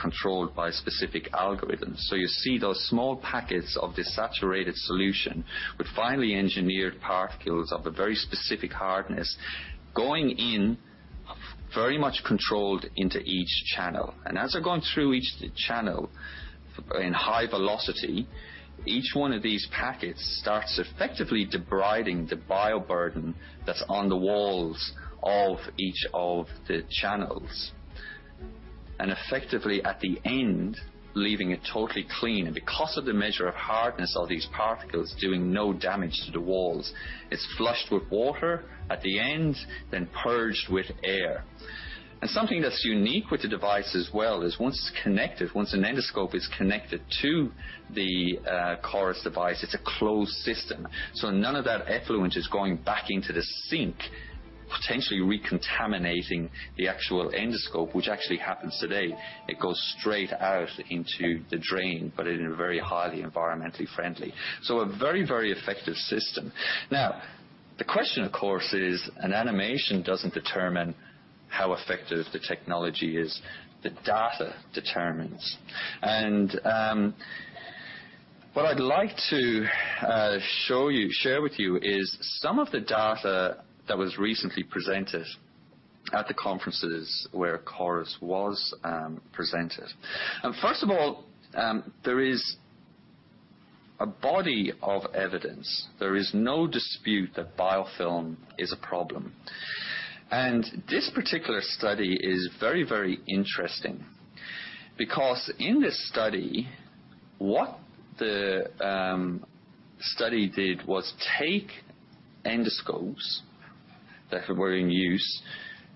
controlled by specific algorithms. So you see those small packets of this saturated solution, with finely engineered particles of a very specific hardness, going in, very much controlled into each channel. And as they're going through each channel in high velocity, each one of these packets starts effectively debriding the bioburden that's on the walls of each of the channels, and effectively, at the end, leaving it totally clean. And because of the measure of hardness of these particles, doing no damage to the walls, it's flushed with water at the end, then purged with air. And something that's unique with the device as well, is once it's connected, once an endoscope is connected to the CORIS device, it's a closed system, so none of that effluent is going back into the sink, potentially recontaminating the actual endoscope, which actually happens today. It goes straight out into the drain, but in a very highly environmentally friendly. So a very, very effective system. Now, the question, of course, is, an animation doesn't determine how effective the technology is, the data determines. And what I'd like to show you, share with you is some of the data that was recently presented at the conferences where CORIS was presented. And first of all, there is a body of evidence. There is no dispute that biofilm is a problem. This particular study is very, very interesting, because in this study, what the study did was take endoscopes that were in use,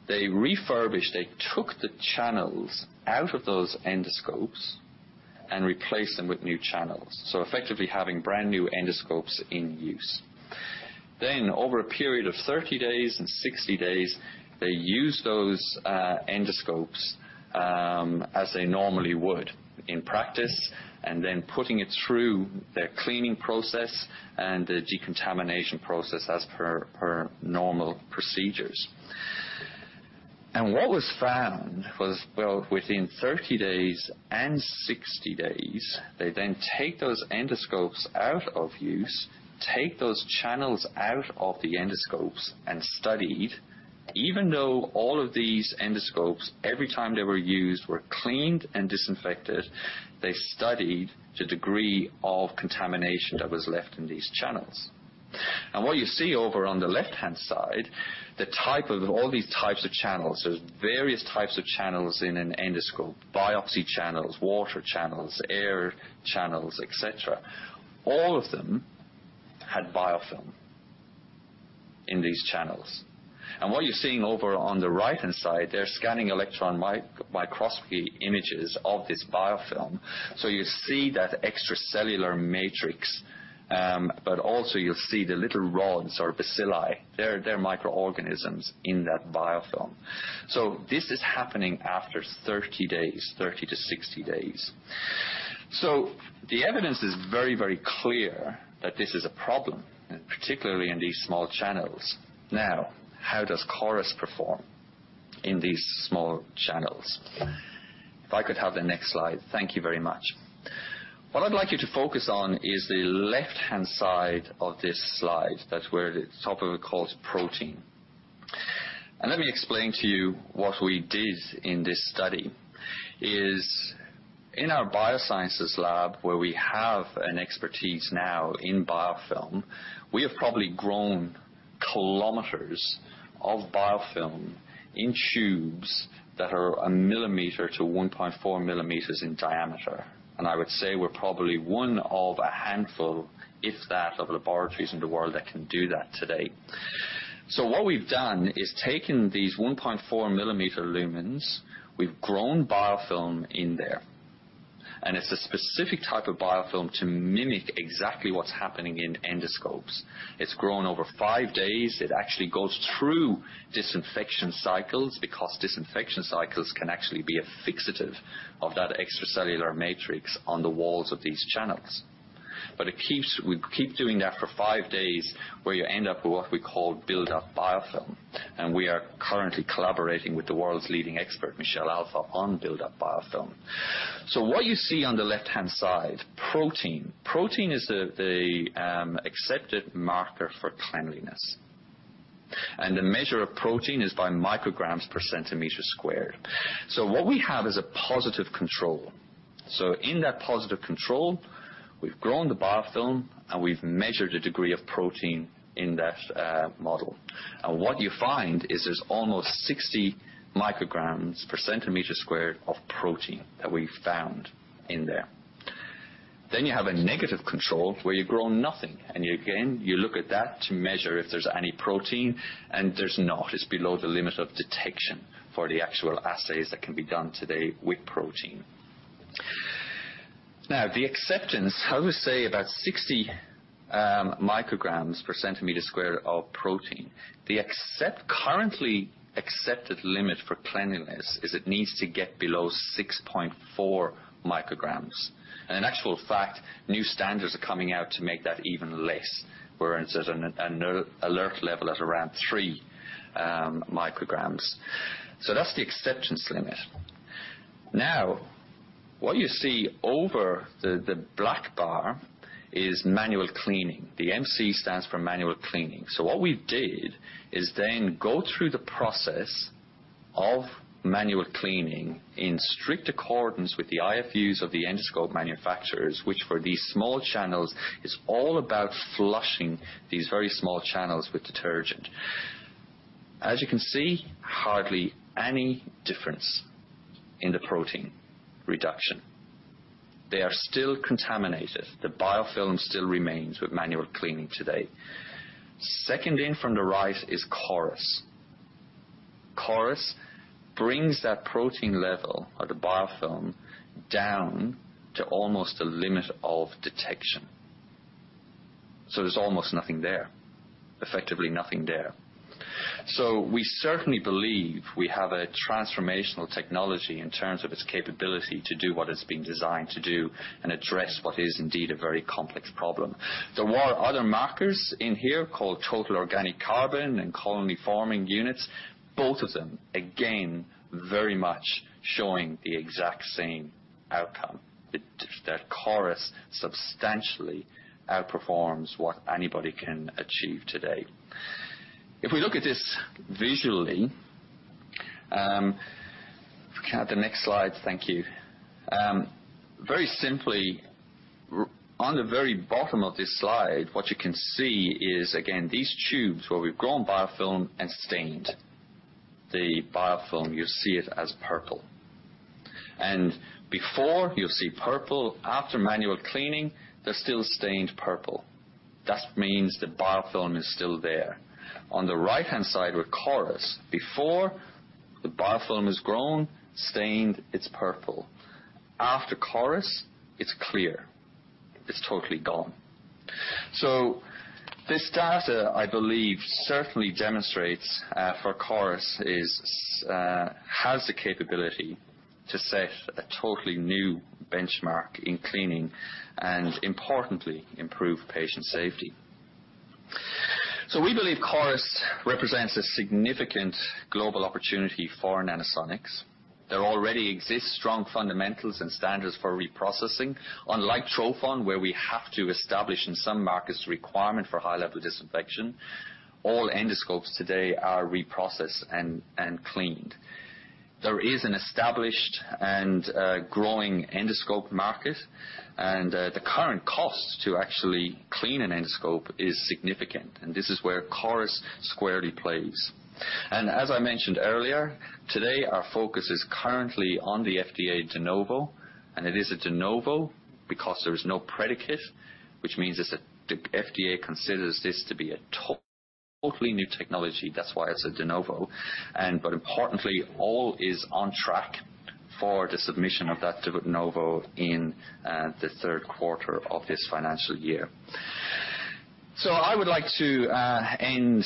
they refurbished, they took the channels out of those endoscopes and replaced them with new channels, so effectively having brand new endoscopes in use. Then, over a period of 30 days and 60 days, they used those endoscopes as they normally would in practice, and then putting it through their cleaning process and the decontamination process as per, per normal procedures. What was found was, well, within 30 days and 60 days, they then take those endoscopes out of use, take those channels out of the endoscopes and studied. Even though all of these endoscopes, every time they were used, were cleaned and disinfected, they studied the degree of contamination that was left in these channels. And what you see over on the left-hand side, the type of all these types of channels. There's various types of channels in an endoscope: biopsy channels, water channels, air channels, et cetera. All of them had biofilm in these channels. And what you're seeing over on the right-hand side, they're scanning electron microscopy images of this biofilm. So you see that extracellular matrix, but also you'll see the little rods or bacilli. They're microorganisms in that biofilm. So this is happening after 30 days, 30-60 days. So the evidence is very, very clear that this is a problem, and particularly in these small channels. Now, how does CORIS perform in these small channels? If I could have the next slide. Thank you very much. What I'd like you to focus on is the left-hand side of this slide. That's where the top of it calls protein. Let me explain to you what we did in this study, is in our biosciences lab, where we have an expertise now in biofilm, we have probably grown kilometers of biofilm in tubes that are 1 mm-1.4 mm in diameter. I would say we're probably one of a handful, if that, of laboratories in the world that can do that today. So what we've done is taken these 1.4 mm lumens. We've grown biofilm in there, and it's a specific type of biofilm to mimic exactly what's happening in endoscopes. It's grown over five days. It actually goes through disinfection cycles because disinfection cycles can actually be a fixative of that extracellular matrix on the walls of these channels. But it keeps. We keep doing that for five days, where you end up with what we call buildup biofilm, and we are currently collaborating with the world's leading expert, Michelle Alfa, on buildup biofilm. So what you see on the left-hand side, protein. Protein is the accepted marker for cleanliness, and the measure of protein is by micrograms per centimeter squared. So what we have is a positive control. So in that positive control, we've grown the biofilm, and we've measured the degree of protein in that model. And what you find is there's almost 60 mcg per centimeter squared of protein that we found in there. Then you have a negative control, where you grow nothing, and you again, you look at that to measure if there's any protein, and there's not. It's below the limit of detection for the actual assays that can be done today with protein. Now, the acceptance, I would say, about 60 mcg per centimeter squared of protein. The currently accepted limit for cleanliness is it needs to get below 6.4 mcg. And in actual fact, new standards are coming out to make that even less, whereas an alert level at around 3 mcg. So that's the acceptance limit. Now, what you see over the black bar is manual cleaning. The MC stands for manual cleaning. So what we did is then go through the process of manual cleaning in strict accordance with the IFUs of the endoscope manufacturers, which, for these small channels, is all about flushing these very small channels with detergent. As you can see, hardly any difference in the protein reduction. They are still contaminated. The biofilm still remains with manual cleaning today. Starting from the right is CORIS. CORIS brings that protein level of the biofilm down to almost the limit of detection. So there's almost nothing there. Effectively, nothing there. So we certainly believe we have a transformational technology in terms of its capability to do what it's been designed to do and address what is indeed a very complex problem. There were other markers in here called total organic carbon and colony-forming units, both of them, again, very much showing the exact same outcome. That CORIS substantially outperforms what anybody can achieve today. If we look at this visually, if we can have the next slide. Thank you. Very simply, on the very bottom of this slide, what you can see is, again, these tubes where we've grown biofilm and stained. The biofilm, you see it as purple. Before you'll see purple, after manual cleaning, they're still stained purple. That means the biofilm is still there. On the right-hand side with CORIS, before the biofilm is grown, stained, it's purple. After CORIS, it's clear. It's totally gone. So this data, I believe, certainly demonstrates for CORIS is has the capability to set a totally new benchmark in cleaning and importantly, improve patient safety. So we believe CORIS represents a significant global opportunity for Nanosonics. There already exists strong fundamentals and standards for reprocessing. Unlike trophon, where we have to establish in some markets requirement for high-level disinfection, all endoscopes today are reprocessed and cleaned. There is an established and growing endoscope market, and the current cost to actually clean an endoscope is significant, and this is where CORIS squarely plays. As I mentioned earlier, today, our focus is currently on the FDA De Novo, and it is a de novo because there is no predicate, which means it's a—the FDA considers this to be a totally new technology. That's why it's a De Novo. But importantly, all is on track for the submission of that de novo in the third quarter of this financial year. So I would like to end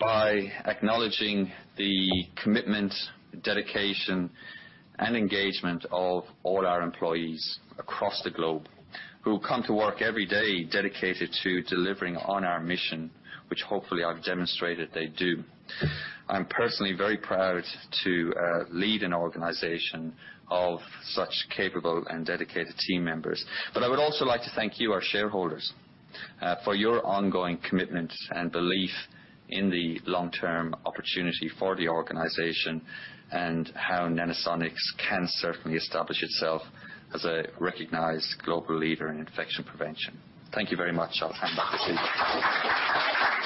by acknowledging the commitment, dedication, and engagement of all our employees across the globe, who come to work every day dedicated to delivering on our mission, which hopefully I've demonstrated they do. I'm personally very proud to lead an organization of such capable and dedicated team members. I would also like to thank you, our shareholders, for your ongoing commitment and belief in the long-term opportunity for the organization, and how Nanosonics can certainly establish itself as a recognized global leader in infection prevention. Thank you very much. I'll hand back to Steve.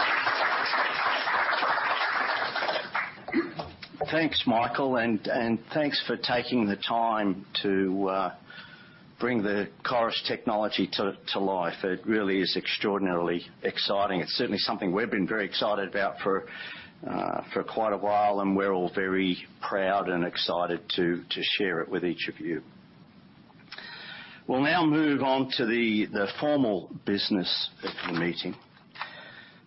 Thanks, Michael, and thanks for taking the time to bring the CORIS technology to life. It really is extraordinarily exciting. It's certainly something we've been very excited about for quite a while, and we're all very proud and excited to share it with each of you. We'll now move on to the formal business of the meeting.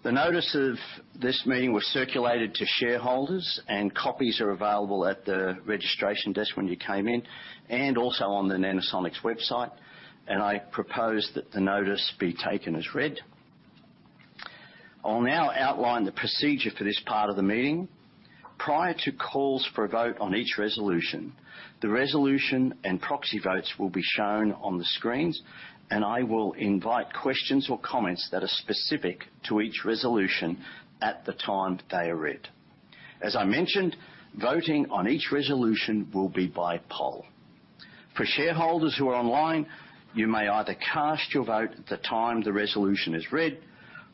The notice of this meeting was circulated to shareholders, and copies are available at the registration desk when you came in, and also on the Nanosonics website, and I propose that the notice be taken as read. I'll now outline the procedure for this part of the meeting. Prior to calls for a vote on each resolution, the resolution and proxy votes will be shown on the screens, and I will invite questions or comments that are specific to each resolution at the time they are read. As I mentioned, voting on each resolution will be by poll. For shareholders who are online, you may either cast your vote at the time the resolution is read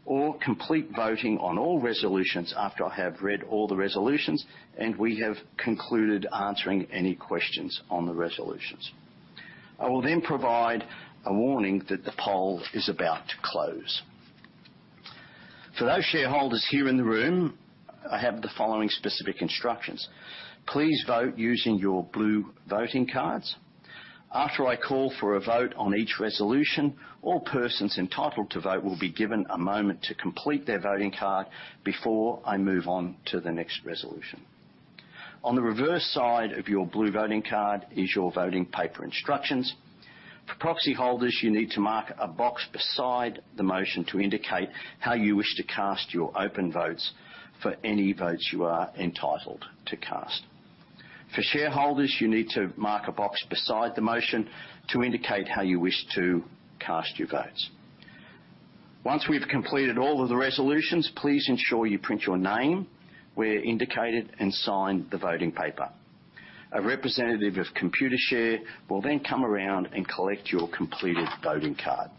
or complete voting on all resolutions after I have read all the resolutions, and we have concluded answering any questions on the resolutions. I will then provide a warning that the poll is about to close. For those shareholders here in the room, I have the following specific instructions: Please vote using your blue voting cards. After I call for a vote on each resolution, all persons entitled to vote will be given a moment to complete their voting card before I move on to the next resolution. On the reverse side of your blue voting card is your voting paper instructions. For proxy holders, you need to mark a box beside the motion to indicate how you wish to cast your open votes for any votes you are entitled to cast. For shareholders, you need to mark a box beside the motion to indicate how you wish to cast your votes. Once we've completed all of the resolutions, please ensure you print your name where indicated, and sign the voting paper. A representative of Computershare will then come around and collect your completed voting card.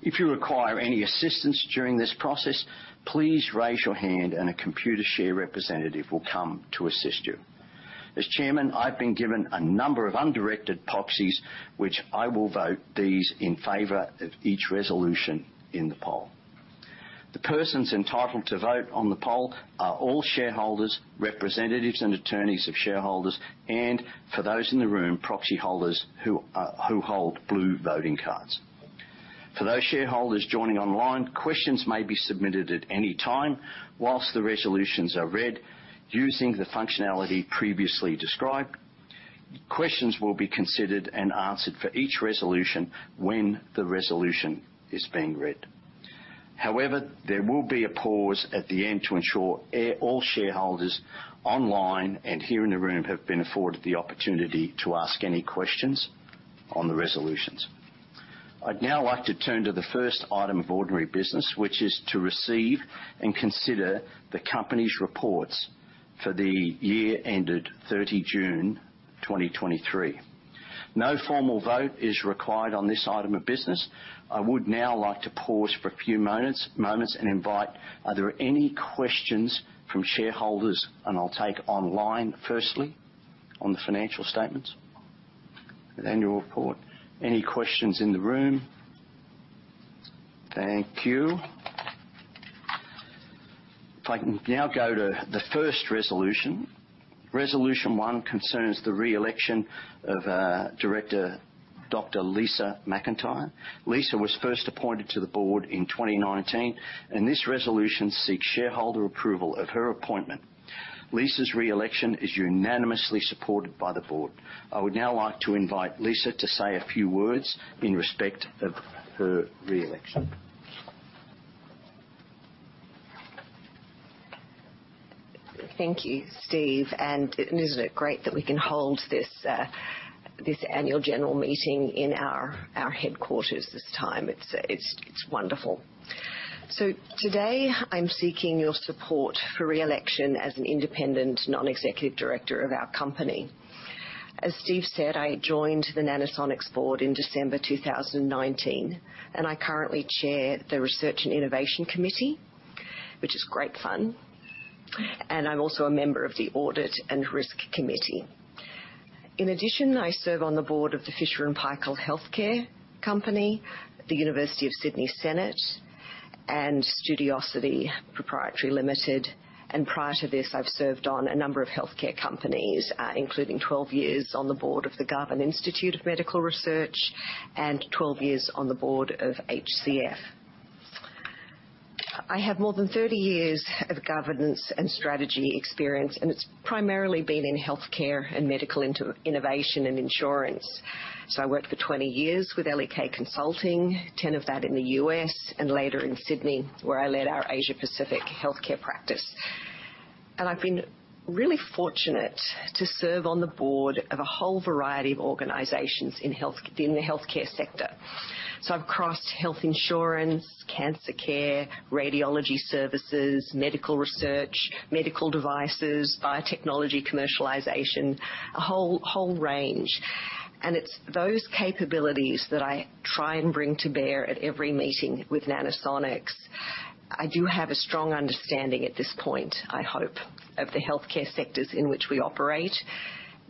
If you require any assistance during this process, please raise your hand and a Computershare representative will come to assist you. As Chairman, I've been given a number of undirected proxies, which I will vote these in favor of each resolution in the poll. The persons entitled to vote on the poll are all shareholders, representatives, and attorneys of shareholders, and for those in the room, proxy holders who who hold blue voting cards. For those shareholders joining online, questions may be submitted at any time while the resolutions are read, using the functionality previously described. Questions will be considered and answered for each resolution when the resolution is being read. However, there will be a pause at the end to ensure all shareholders online and here in the room have been afforded the opportunity to ask any questions on the resolutions. I'd now like to turn to the first item of ordinary business, which is to receive and consider the company's reports for the year ended 30 June 2023. No formal vote is required on this item of business. I would now like to pause for a few moments and invite are there any questions from shareholders, and I'll take online firstly, on the financial statements, the Annual Report. Any questions in the room? Thank you. If I can now go to the first resolution. Resolution One concerns the re-election of Director Dr. Lisa McIntyre. Lisa was first appointed to the board in 2019, and this resolution seeks shareholder approval of her appointment. Lisa's re-election is unanimously supported by the board. I would now like to invite Lisa to say a few words in respect of her re-election. Thank you, Steve. And isn't it great that we can hold this, this annual general meeting in our, our headquarters this time? It's wonderful. So today, I'm seeking your support for re-election as an independent, non-executive director of our company. As Steve said, I joined the Nanosonics Board in December 2019, and I currently chair the Research and Innovation Committee, which is great fun. I'm also a member of the Audit and Risk Committee. In addition, I serve on the board of the Fisher & Paykel Healthcare Corporation Limited, the University of Sydney Senate, and Studiosity Pty Ltd. Prior to this, I've served on a number of healthcare companies, including 12 years on the board of the Garvan Institute of Medical Research and 12 years on the board of HCF. I have more than 30 years of governance and strategy experience, and it's primarily been in healthcare and medical innovation and insurance. I worked for 20 years with L.E.K. Consulting, 10 of that in the U.S. and later in Sydney, where I led our Asia Pacific healthcare practice. I've been really fortunate to serve on the board of a whole variety of organizations in health, in the healthcare sector. I've crossed health insurance, cancer care, radiology services, medical research, medical devices, biotechnology, commercialization, a whole, whole range. It's those capabilities that I try and bring to bear at every meeting with Nanosonics. I do have a strong understanding at this point, I hope, of the healthcare sectors in which we operate,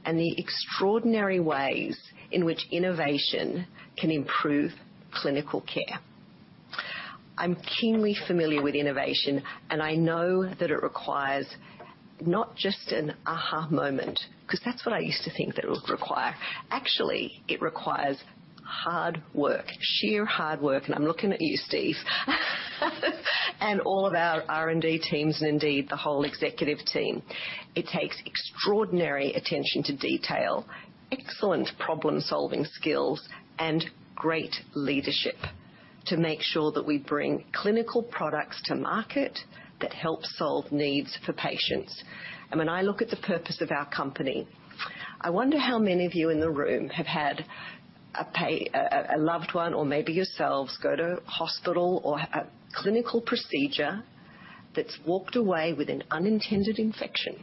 and the extraordinary ways in which innovation can improve clinical care. I'm keenly familiar with innovation, and I know that it requires not just an aha moment, because that's what I used to think that it would require. Actually, it requires hard work. Sheer hard work. And I'm looking at you, Steve, and all of our R&D teams and indeed, the whole executive team. It takes extraordinary attention to detail, excellent problem-solving skills, and great leadership to make sure that we bring clinical products to market that help solve needs for patients. And when I look at the purpose of our company, I wonder how many of you in the room have had a loved one, or maybe yourselves, go to hospital or a clinical procedure that's walked away with an unintended infection?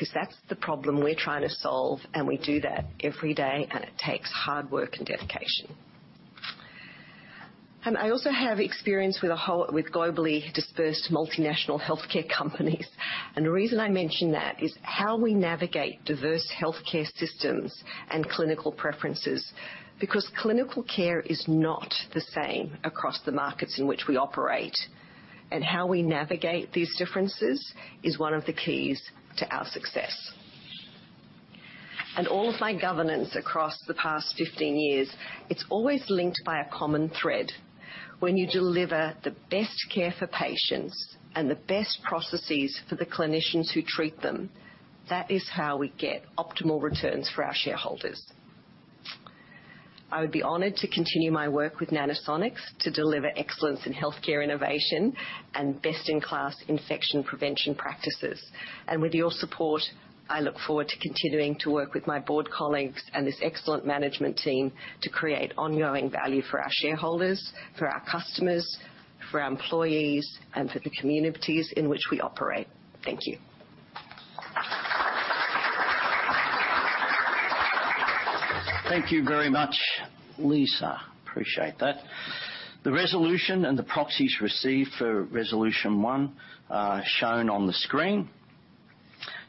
Because that's the problem we're trying to solve, and we do that every day, and it takes hard work and dedication. I also have experience with globally dispersed multinational healthcare companies. And the reason I mention that is how we navigate diverse healthcare systems and clinical preferences, because clinical care is not the same across the markets in which we operate. And how we navigate these differences is one of the keys to our success. And all of my governance across the past 15 years, it's always linked by a common thread. When you deliver the best care for patients and the best processes for the clinicians who treat them, that is how we get optimal returns for our shareholders. I would be honored to continue my work with Nanosonics to deliver excellence in healthcare innovation and best-in-class infection prevention practices. With your support, I look forward to continuing to work with my board colleagues and this excellent management team to create ongoing value for our shareholders, for our customers, for our employees, and for the communities in which we operate. Thank you. Thank you very much, Lisa. Appreciate that. The resolution and the proxies received for Resolution One are shown on the screen.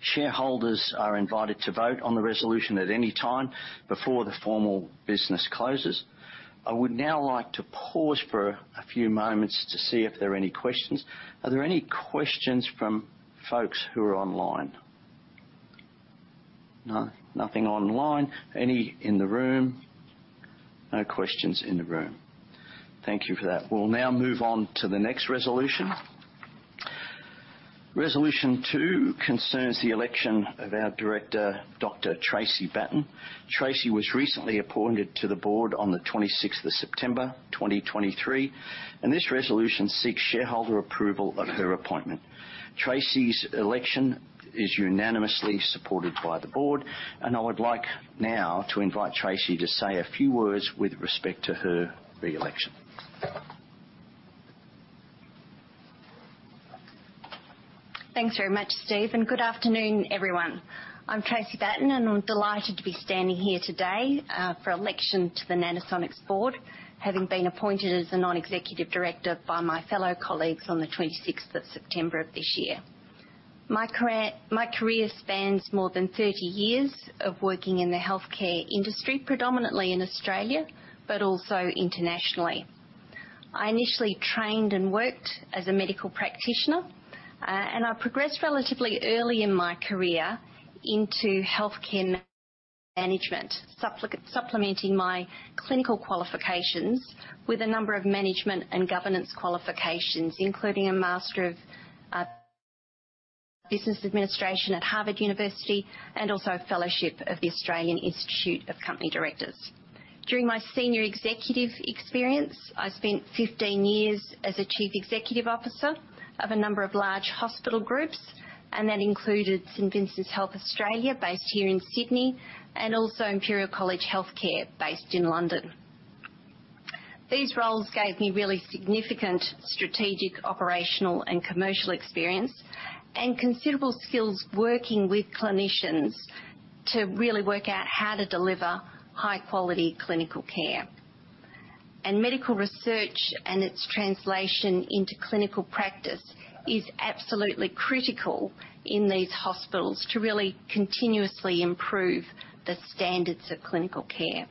Shareholders are invited to vote on the resolution at any time before the formal business closes. I would now like to pause for a few moments to see if there are any questions. Are there any questions from folks who are online? No, nothing online. Any in the room? No questions in the room. Thank you for that. We'll now move on to the next resolution. Resolution Two concerns the election of our director, Dr. Tracey Batten. Tracey was recently appointed to the board on the 26th of September, 2023, and this resolution seeks shareholder approval of her appointment. Tracey's election is unanimously supported by the board, and I would like now to invite Tracey to say a few words with respect to her re-election. Thanks very much, Steve, and good afternoon, everyone. I'm Tracey Batten, and I'm delighted to be standing here today for election to the Nanosonics board, having been appointed as a non-executive director by my fellow colleagues on the twenty-sixth of September of this year. My career spans more than 30 years of working in the healthcare industry, predominantly in Australia, but also internationally. I initially trained and worked as a medical practitioner, and I progressed relatively early in my career into healthcare management, supplementing my clinical qualifications with a number of management and governance qualifications, including a Master of Business Administration at Harvard University and also a Fellowship of the Australian Institute of Company Directors. During my senior executive experience, I spent 15 years as a chief executive officer of a number of large hospital groups, and that included St Vincent's Health Australia, based here in Sydney, and also Imperial College Healthcare, based in London. These roles gave me really significant strategic, operational, and commercial experience, and considerable skills working with clinicians to really work out how to deliver high-quality clinical care. Medical research and its translation into clinical practice is absolutely critical in these hospitals to really continuously improve the standards of clinical care.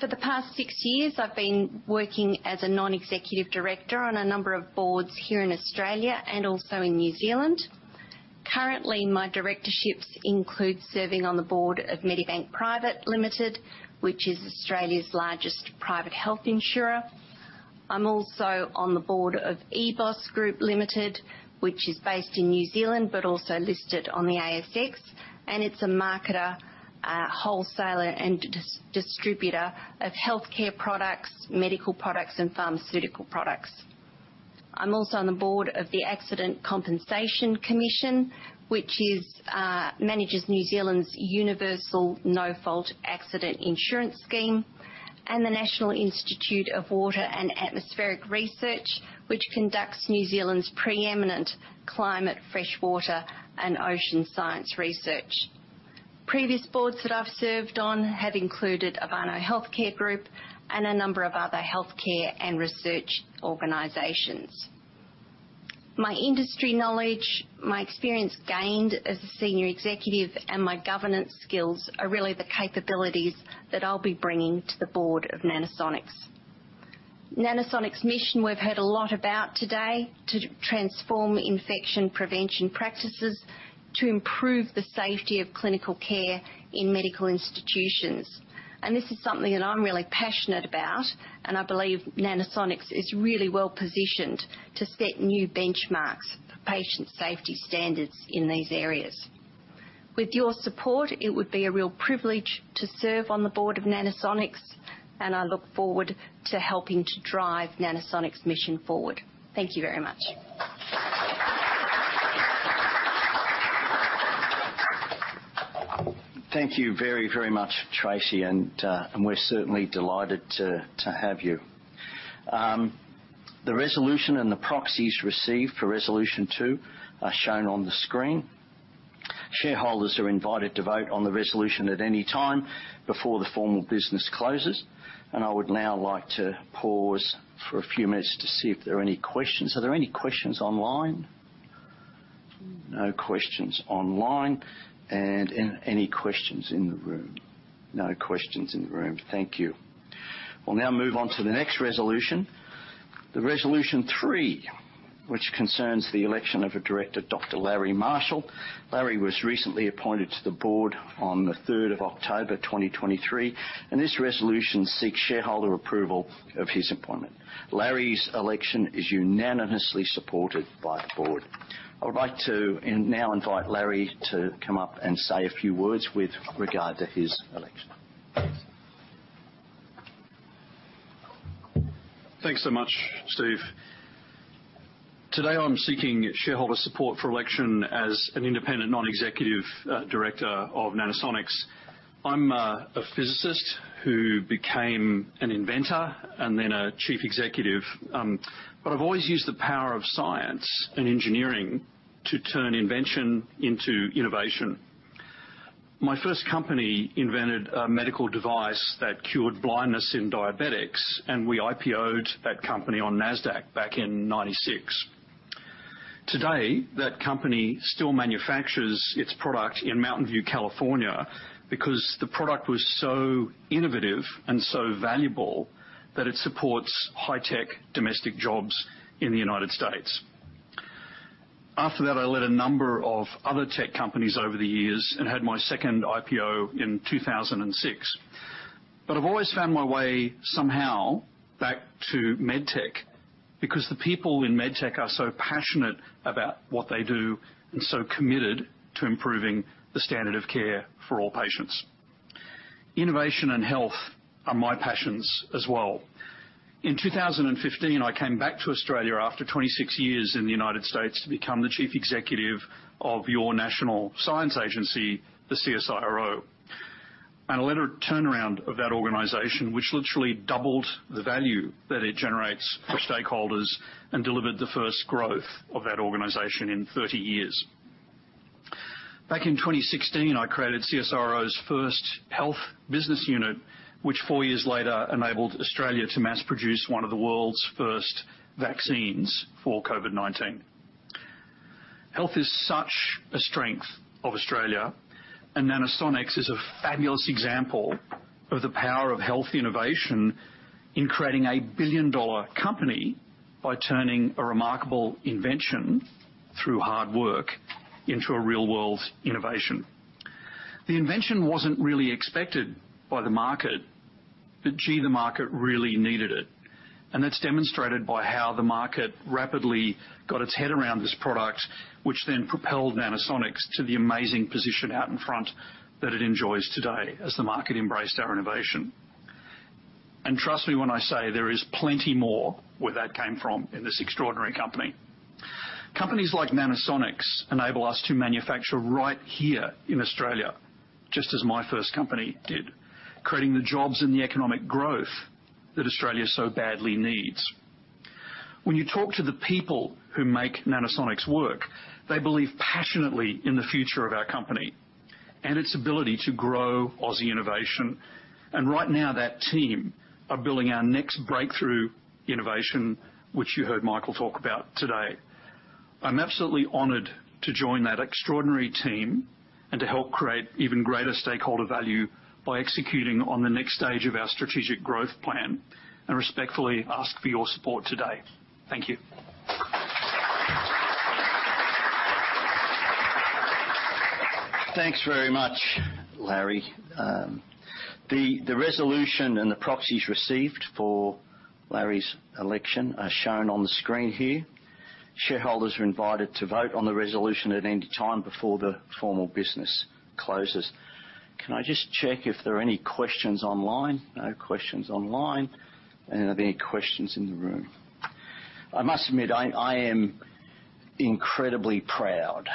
For the past six years, I've been working as a non-executive director on a number of boards here in Australia and also in New Zealand. Currently, my directorships include serving on the board of Medibank Private Limited, which is Australia's largest private health insurer. I'm also on the board of EBOS Group Limited, which is based in New Zealand, but also listed on the ASX, and it's a marketer, a wholesaler, and distributor of healthcare products, medical products, and pharmaceutical products. I'm also on the board of the Accident Compensation Commission, which is, manages New Zealand's universal no-fault accident insurance scheme, and the National Institute of Water and Atmospheric Research, which conducts New Zealand's preeminent climate, freshwater, and ocean science research. Previous boards that I've served on have included Abano Healthcare Group and a number of other healthcare and research organizations. My industry knowledge, my experience gained as a senior executive, and my governance skills are really the capabilities that I'll be bringing to the board of Nanosonics. Nanosonics' mission, we've heard a lot about today, to transform infection prevention practices to improve the safety of clinical care in medical institutions. This is something that I'm really passionate about, and I believe Nanosonics is really well-positioned to set new benchmarks for patient safety standards in these areas. With your support, it would be a real privilege to serve on the board of Nanosonics, and I look forward to helping to drive Nanosonics' mission forward. Thank you very much. Thank you very, very much, Tracey, and we're certainly delighted to have you. The resolution and the proxies received for resolution two are shown on the screen. Shareholders are invited to vote on the resolution at any time before the formal business closes, and I would now like to pause for a few minutes to see if there are any questions. Are there any questions online? No questions online. And any questions in the room? No questions in the room. Thank you. We'll now move on to the next resolution, the resolution three, which concerns the election of a director, Dr. Larry Marshall. Larry was recently appointed to the board on the 3rd of October, 2023, and this resolution seeks shareholder approval of his appointment. Larry's election is unanimously supported by the board. I would like to now invite Larry to come up and say a few words with regard to his election. Thanks so much, Steve. Today, I'm seeking shareholder support for election as an independent non-executive director of Nanosonics. I'm a physicist who became an inventor and then a chief executive, but I've always used the power of science and engineering to turn invention into innovation. My first company invented a medical device that cured blindness in diabetics, and we IPO'd that company on NASDAQ back in 1996. Today, that company still manufactures its product in Mountain View, California, because the product was so innovative and so valuable that it supports high-tech domestic jobs in the United States. After that, I led a number of other tech companies over the years and had my second IPO in 2006. But I've always found my way somehow back to med tech, because the people in med tech are so passionate about what they do and so committed to improving the standard of care for all patients. Innovation and health are my passions as well. In 2015, I came back to Australia after 26 years in the United States, to become the Chief Executive of your National Science Agency, the CSIRO, and led a turnaround of that organization, which literally doubled the value that it generates for stakeholders and delivered the first growth of that organization in 30 years. Back in 2016, I created CSIRO's first health business unit, which four years later enabled Australia to mass produce one of the world's first vaccines for COVID-19. Health is such a strength of Australia, and Nanosonics is a fabulous example of the power of health innovation in creating a billion-dollar company by turning a remarkable invention, through hard work, into a real-world innovation. The invention wasn't really expected by the market, but gee, the market really needed it, and that's demonstrated by how the market rapidly got its head around this product, which then propelled Nanosonics to the amazing position out in front that it enjoys today as the market embraced our innovation. And trust me when I say there is plenty more where that came from in this extraordinary company. Companies like Nanosonics enable us to manufacture right here in Australia, just as my first company did, creating the jobs and the economic growth that Australia so badly needs. When you talk to the people who make Nanosonics work, they believe passionately in the future of our company and its ability to grow Aussie innovation. Right now, that team are building our next breakthrough innovation, which you heard Michael talk about today. I'm absolutely honored to join that extraordinary team and to help create even greater stakeholder value by executing on the next stage of our strategic growth plan, and respectfully ask for your support today. Thank you. Thanks very much, Larry. The resolution and the proxies received for Larry's election are shown on the screen here. Shareholders are invited to vote on the resolution at any time before the formal business closes. Can I just check if there are any questions online? No questions online. Are there any questions in the room? I must admit, I am incredibly proud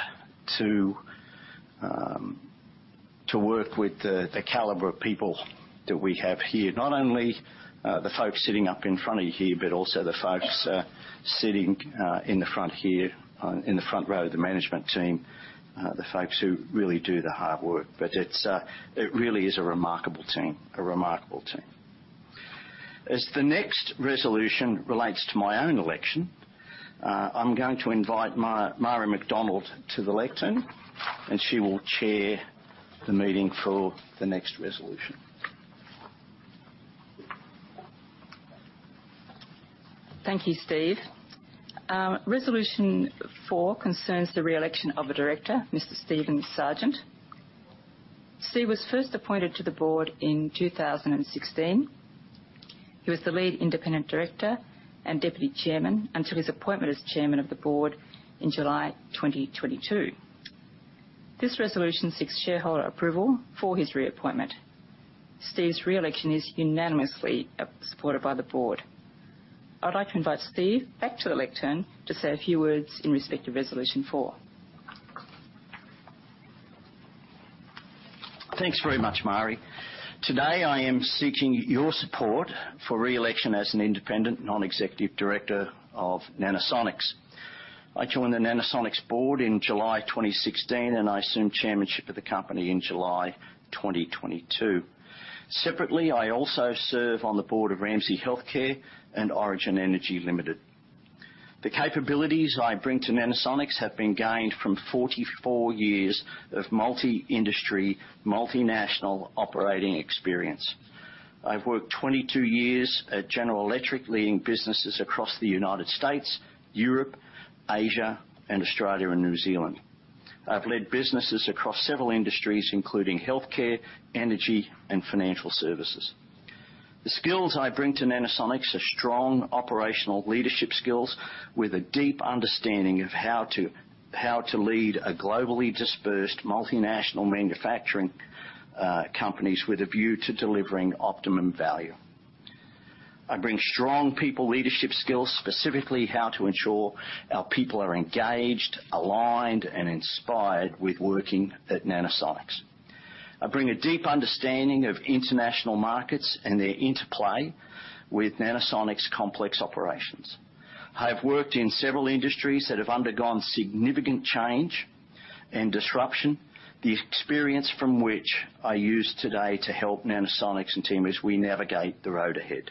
to work with the caliber of people that we have here. Not only the folks sitting up in front of you here, but also the folks sitting in the front here in the front row, the management team, the folks who really do the hard work. But it's it really is a remarkable team. A remarkable team. As the next resolution relates to my own election, I'm going to invite Marie McDonald to the lectern, and she will chair the meeting for the next resolution. Thank you, Steve. Resolution Four concerns the re-election of a director, Mr. Steven Sargent. Steve was first appointed to the board in 2016. He was the Lead Independent Director and Deputy Chairman until his appointment as Chairman of the Board in July 2022. This resolution seeks shareholder approval for his reappointment. Steve's re-election is unanimously supported by the board. I'd like to invite Steve back to the lectern to say a few words in respect to Resolution Four. Thanks very much, Marie. Today, I am seeking your support for re-election as an independent non-executive director of Nanosonics. I joined the Nanosonics board in July 2016, and I assumed chairmanship of the company in July 2022. Separately, I also serve on the board of Ramsay Health Care and Origin Energy Limited. The capabilities I bring to Nanosonics have been gained from 44 years of multi-industry, multinational operating experience. I've worked 22 years at General Electric, leading businesses across the United States, Europe, Asia, and Australia and New Zealand. I've led businesses across several industries, including healthcare, energy, and financial services. The skills I bring to Nanosonics are strong operational leadership skills with a deep understanding of how to, how to lead a globally dispersed multinational manufacturing companies with a view to delivering optimum value. I bring strong people leadership skills, specifically how to ensure our people are engaged, aligned and inspired with working at Nanosonics. I bring a deep understanding of international markets and their interplay with Nanosonics' complex operations. I have worked in several industries that have undergone significant change and disruption, the experience from which I use today to help Nanosonics and team as we navigate the road ahead.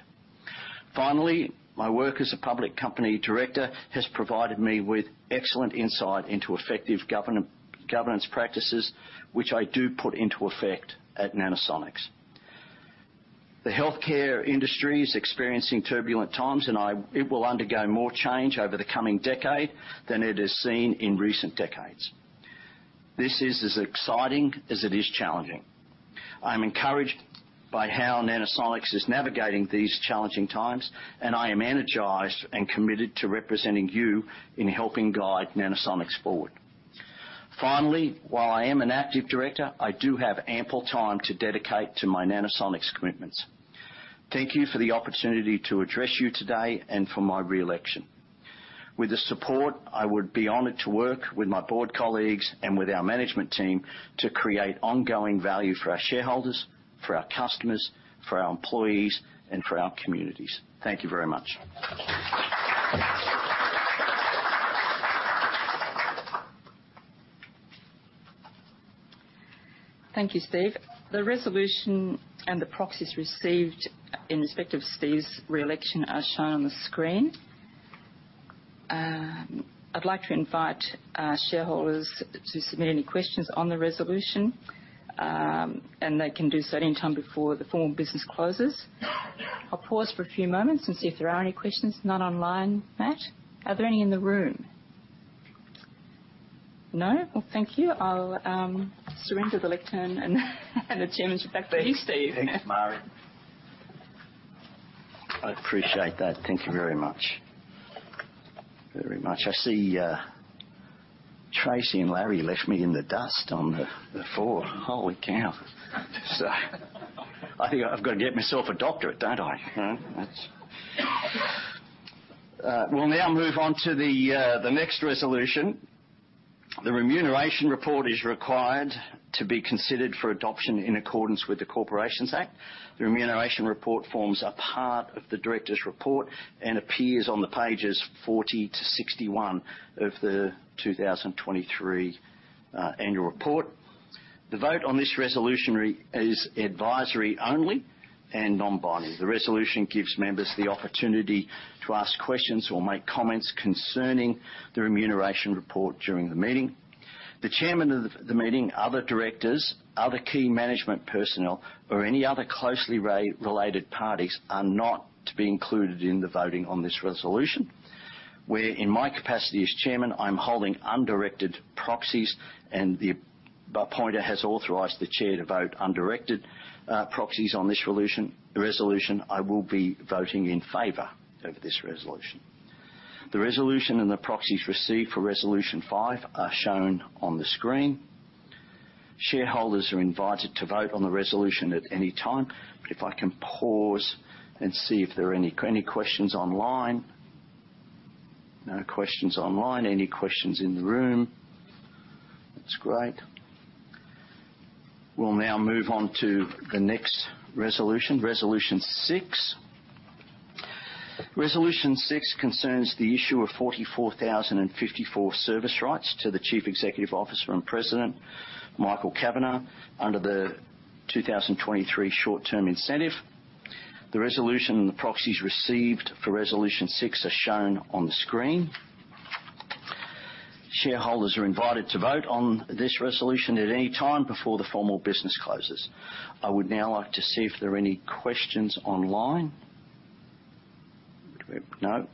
Finally, my work as a public company director has provided me with excellent insight into effective governance practices, which I do put into effect at Nanosonics. The healthcare industry is experiencing turbulent times. It will undergo more change over the coming decade than it has seen in recent decades. This is as exciting as it is challenging. I'm encouraged by how Nanosonics is navigating these challenging times, and I am energized and committed to representing you in helping guide Nanosonics forward. Finally, while I am an active director, I do have ample time to dedicate to my Nanosonics commitments. Thank you for the opportunity to address you today and for my re-election. With your support, I would be honored to work with my board colleagues and with our management team to create ongoing value for our shareholders, for our customers, for our employees, and for our communities. Thank you very much. Thank you, Steve. The resolution and the proxies received in respect of Steve's re-election are shown on the screen. I'd like to invite shareholders to submit any questions on the resolution, and they can do so at any time before the formal business closes. I'll pause for a few moments and see if there are any questions not online. Matt, are there any in the room? No? Well, thank you. I'll surrender the lectern and the chairmanship back to you, Steve. Thanks, Marie. I appreciate that. Thank you very much. Very much. I see, Tracey and Larry left me in the dust on the, the four. Holy cow! So I think I've got to get myself a doctorate, don't I? You know, that's... We'll now move on to the next resolution. The remuneration report is required to be considered for adoption in accordance with the Corporations Act. The remuneration report forms a part of the directors' report and appears on pages 40-61 of the 2023 Annual Report. The vote on this resolution is advisory only and non-binding. The resolution gives members the opportunity to ask questions or make comments concerning the remuneration report during the meeting. The Chairman of the meeting, other directors, other key management personnel, or any other closely related parties are not to be included in the voting on this resolution. Where in my capacity as Chairman, I'm holding undirected proxies, and the appointer has authorized the Chair to vote undirected proxies on this resolution. I will be voting in favor of this resolution. The resolution and the proxies received for Resolution Five are shown on the screen. Shareholders are invited to vote on the resolution at any time, but if I can pause and see if there are any questions online. No questions online. Any questions in the room? That's great. We'll now move on to the next resolution, Resolution Six. Resolution Six concerns the issue of 44,054 service rights to the Chief Executive Officer and President, Michael Kavanagh, under the 2023 short-term incentive. The resolution and the proxies received for Resolution Six are shown on the screen. Shareholders are invited to vote on this resolution at any time before the formal business closes. I would now like to see if there are any questions online. No?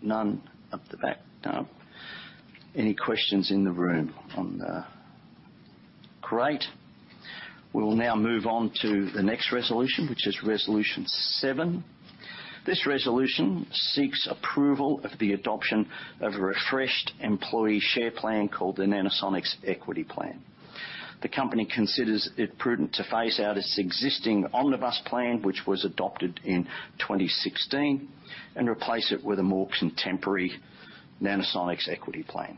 None up the back. Any questions in the room on the... Great! We will now move on to the next resolution, which is Resolution Seven. This resolution seeks approval of the adoption of a refreshed employee share plan called the Nanosonics Equity Plan. The company considers it prudent to phase out its existing Omnibus plan, which was adopted in 2016, and replace it with a more contemporary Nanosonics Equity Plan.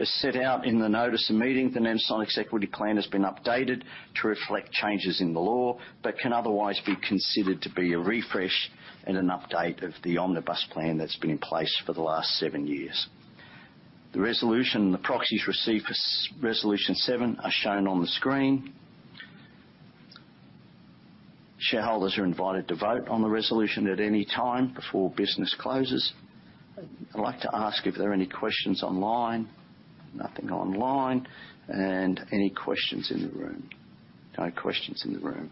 As set out in the notice of meeting, the Nanosonics Equity Plan has been updated to reflect changes in the law, but can otherwise be considered to be a refresh and an update of the Omnibus plan that's been in place for the last seven years. The resolution and the proxies received for Resolution Seven are shown on the screen. Shareholders are invited to vote on the resolution at any time before business closes. I'd like to ask if there are any questions online. Nothing online. Any questions in the room? No questions in the room.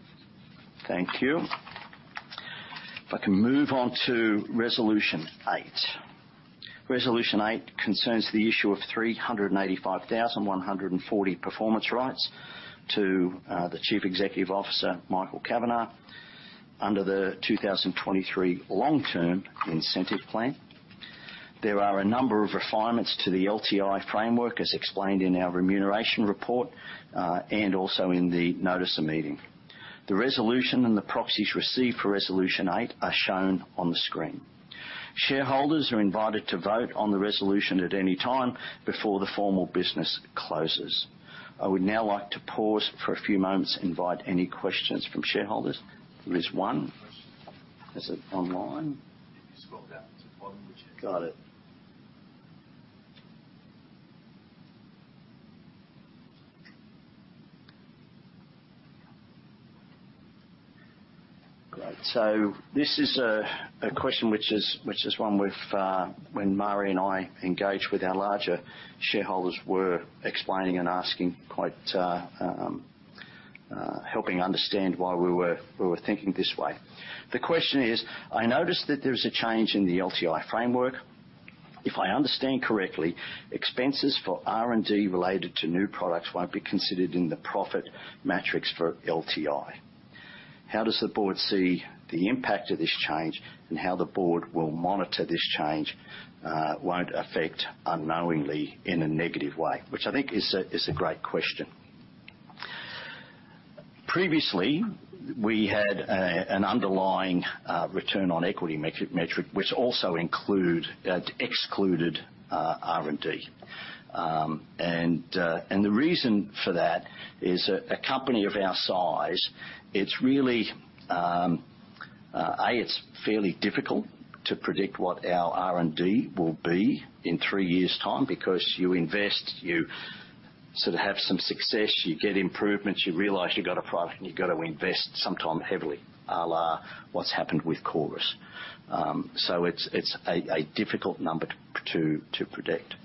Thank you. If I can move on to Resolution Eight. Resolution Eight concerns the issue of 385,140 performance rights to the Chief Executive Officer, Michael Kavanagh, under the 2023 long-term incentive plan. There are a number of refinements to the LTI framework, as explained in our remuneration report, and also in the notice of meeting. The resolution and the proxies received for Resolution Eight are shown on the screen. Shareholders are invited to vote on the resolution at any time before the formal business closes. I would now like to pause for a few moments and invite any questions from shareholders. There is one. Is it online? If you scroll down to the bottom, which, got it. Great. So this is a question which is one we've, when Marie and I engaged with our larger shareholders, were explaining and asking quite, helping understand why we were thinking this way. The question is: I noticed that there's a change in the LTI framework. If I understand correctly, expenses for R&D related to new products won't be considered in the profit metrics for LTI. How does the board see the impact of this change, and how the board will monitor this change, won't affect unknowingly in a negative way? Which I think is a great question. Previously, we had an underlying return on equity metric, which also include excluded R&D. The reason for that is, a company of our size, it's really, it's fairly difficult to predict what our R&D will be in three years' time, because you invest, you sort of have some success, you get improvements, you realize you've got a product, and you've got to invest, sometime heavily, à la what's happened with CORIS. So it's, it's a difficult number to predict.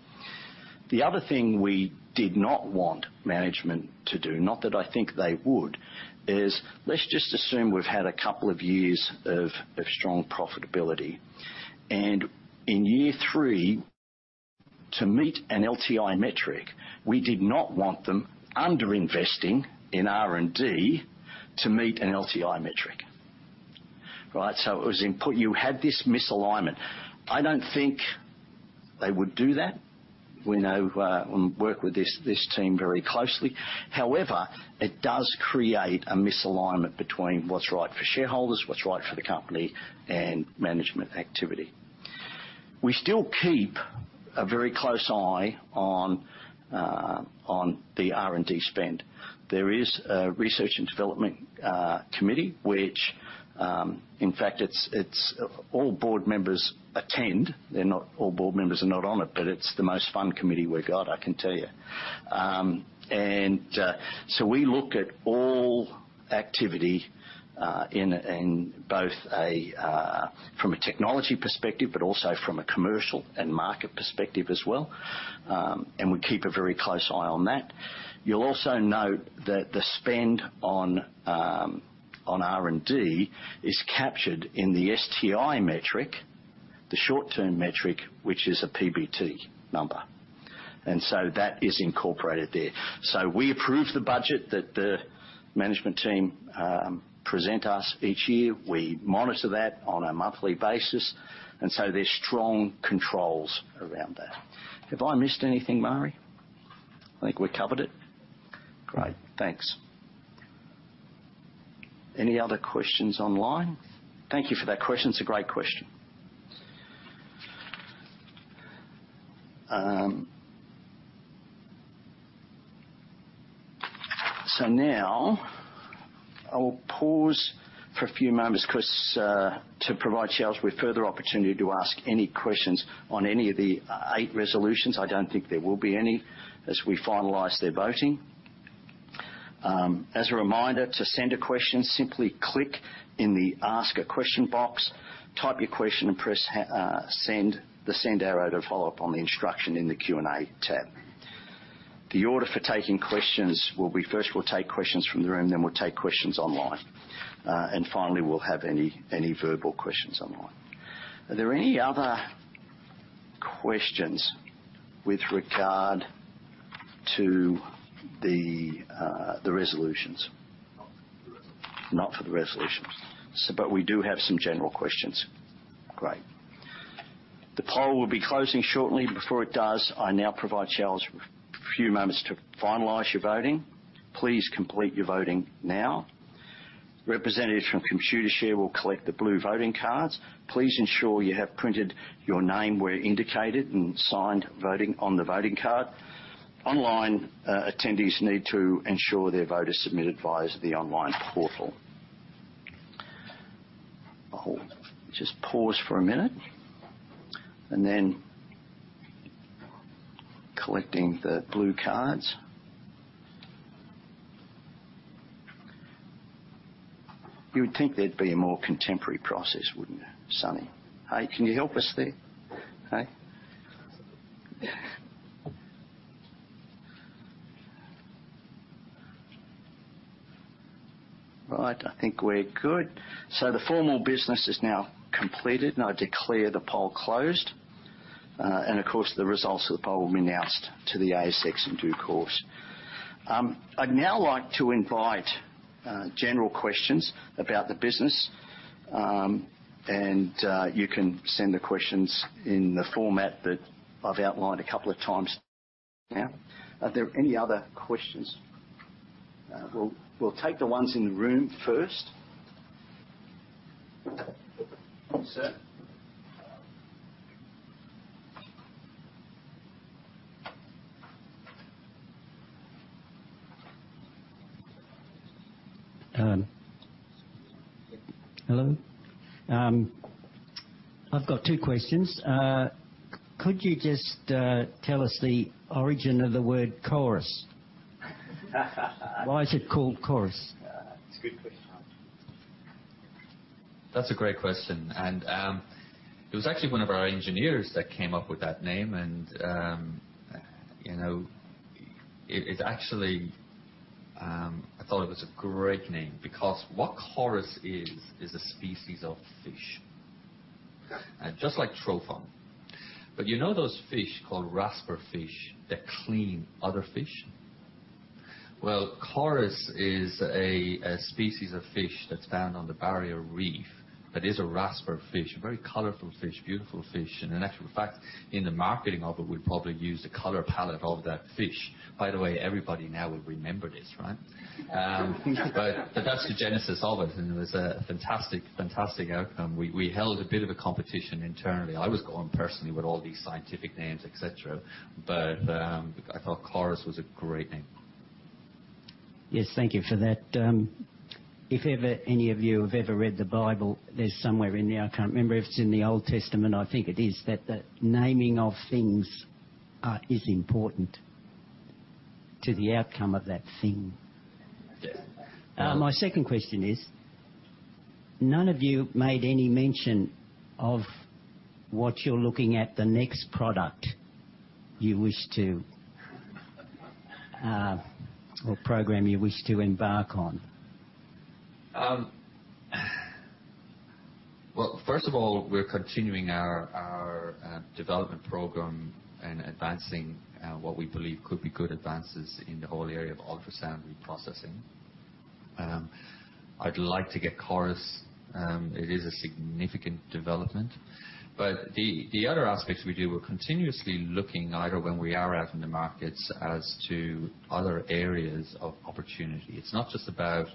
The other thing we did not want management to do, not that I think they would, is let's just assume we've had a couple of years of strong profitability. And in year three, to meet an LTI metric, we did not want them underinvesting in R&D to meet an LTI metric. Right, so it was input. You had this misalignment. I don't think they would do that. We know and work with this team very closely. However, it does create a misalignment between what's right for shareholders, what's right for the company and management activity. We still keep a very close eye on the R&D spend. There is a research and development committee, which in fact all board members attend. Not all board members are on it, but it's the most fun committee we've got, I can tell you. So we look at all activity in both from a technology perspective, but also from a commercial and market perspective as well. We keep a very close eye on that. You'll also note that the spend on R&D is captured in the STI metric, the short-term metric, which is a PBT number, and so that is incorporated there. So we approve the budget that the management team present us each year. We monitor that on a monthly basis, and so there's strong controls around that. Have I missed anything, Marie? I think we covered it. Great, thanks. Any other questions online? Thank you for that question. It's a great question. So now I will pause for a few moments because to provide shareholders with further opportunity to ask any questions on any of the eight resolutions. I don't think there will be any as we finalize their voting. As a reminder, to send a question, simply click in the Ask a Question box, type your question, and press send, the send arrow to follow up on the instruction in the Q&A tab. The order for taking questions will be, first we'll take questions from the room, then we'll take questions online. And finally, we'll have any verbal questions online. Are there any other questions with regard to the resolutions? Not for the resolutions. Not for the resolutions, so but we do have some general questions. Great. The poll will be closing shortly. Before it does, I now provide shareholders with a few moments to finalize your voting. Please complete your voting now. Representatives from Computershare will collect the blue voting cards. Please ensure you have printed your name where indicated and signed voting on the voting card. Online, attendees need to ensure their vote is submitted via the online portal. I'll just pause for a minute and then collecting the blue cards. You would think there'd be a more contemporary process, wouldn't you, Sunny? Hey, can you help us there? Hey? Right, I think we're good. So the formal business is now completed, and I declare the poll closed. And of course, the results of the poll will be announced to the ASX in due course. I'd now like to invite general questions about the business, and you can send the questions in the format that I've outlined a couple of times now. Are there any other questions? We'll take the ones in the room first. Sir? Hello? I've got two questions. Could you just tell us the origin of the word CORIS? Why is it called CORIS? It's a good question. That's a great question, and it was actually one of our engineers that came up with that name. And you know, it actually I thought it was a great name because what CORIS is, is a species of fish, and just like trophon. But you know those fish called rasper fish that clean other fish? Well, CORIS is a species of fish that's found on the Barrier Reef. That is a rasper fish, a very colorful fish, beautiful fish. And in actual fact, in the marketing of it, we probably use the color palette of that fish. By the way, everybody now will remember this, right? But that's the genesis of it, and it was a fantastic, fantastic outcome. We held a bit of a competition internally. I was going personally with all these scientific names, et cetera, but, I thought CORIS was a great name. Yes, thank you for that. If ever any of you have ever read the Bible, there's somewhere in there, I can't remember if it's in the Old Testament, I think it is, that the naming of things is important to the outcome of that thing. Yes. My second question is, none of you made any mention of what you're looking at, the next product you wish to, or program you wish to embark on. Well, first of all, we're continuing our development program and advancing what we believe could be good advances in the whole area of ultrasound reprocessing. I'd like to get CORIS. It is a significant development, but the other aspects we do, we're continuously looking either when we are out in the markets as to other areas of opportunity. It's not just about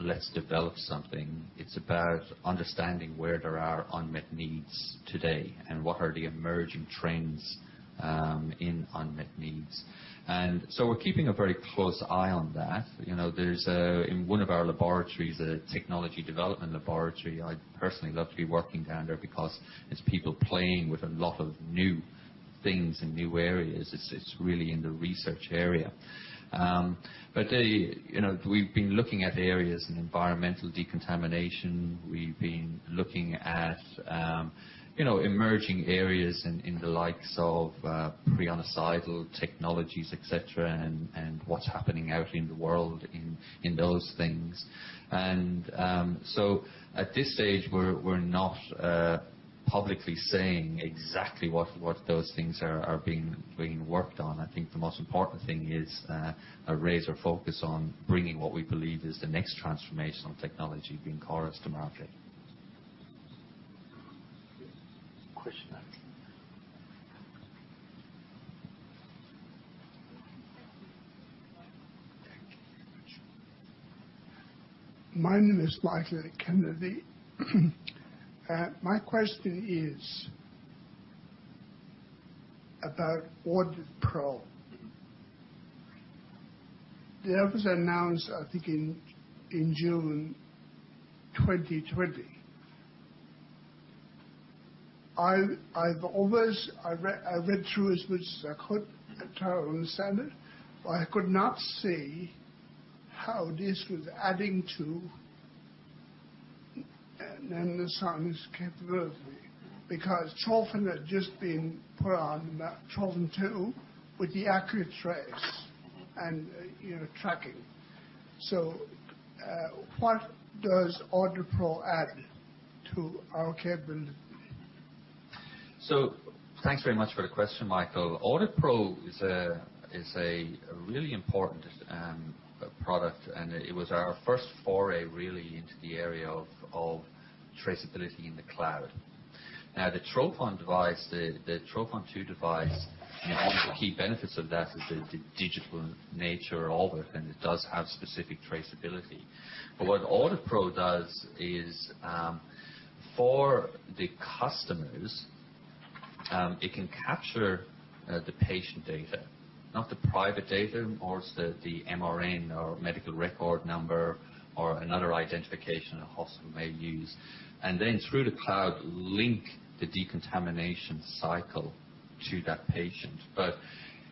let's develop something. It's about understanding where there are unmet needs today and what are the emerging trends in unmet needs. And so we're keeping a very close eye on that. You know, there's in one of our laboratories a technology development laboratory. I'd personally love to be working down there because it's people playing with a lot of new things and new areas. It's really in the research area. But they, you know, we've been looking at areas in environmental decontamination. We've been looking at, you know, emerging areas in, in the likes of, prionicidal technologies, et cetera, and, and what's happening out in the world in, in those things. And, so at this stage, we're, we're not, publicly saying exactly what, what those things are, are being, being worked on. I think the most important thing is, a raise or focus on bringing what we believe is the next transformational technology, being CORIS, to market. Question now. My name is Michael Kennedy. My question is about AuditPro. That was announced, I think, in June 2020. I've always... I read through as much as I could to try to understand it, but I could not see how this was adding to Nanosonics' capability, because trophon had just been put on, trophon2, with the AcuTrace and, you know, tracking. So, what does AuditPro add to our capability? So thanks very much for the question, Michael. AuditPro is a really important product, and it was our first foray, really, into the area of traceability in the cloud. Now, the trophon device, the trophon2 device, one of the key benefits of that is the digital nature of it, and it does have specific traceability. But what AuditPro does is, for the customers, it can capture the patient data, not the private data, or the MRN, or medical record number, or another identification a hospital may use, and then through the cloud, link the decontamination cycle to that patient. But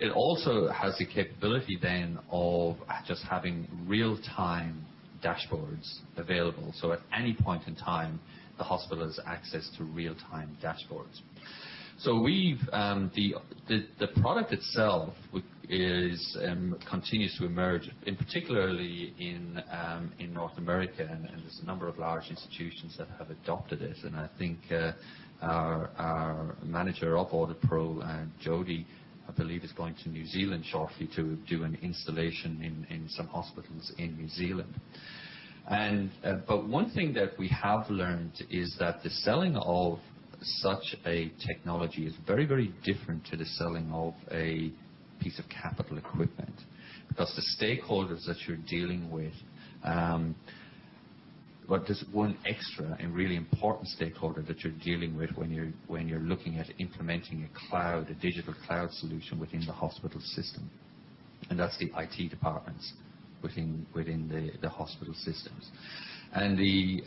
it also has the capability then of just having real-time dashboards available. So at any point in time, the hospital has access to real-time dashboards. The product itself continues to emerge, particularly in North America, and there's a number of large institutions that have adopted it. And I think our manager of AuditPro, and Jodi, I believe, is going to New Zealand shortly to do an installation in some hospitals in New Zealand. But one thing that we have learned is that the selling of such a technology is very, very different to the selling of a piece of capital equipment, because the stakeholders that you're dealing with, but there's one extra and really important stakeholder that you're dealing with when you're looking at implementing a cloud, a digital cloud solution within the hospital system, and that's the IT departments within the hospital systems. And the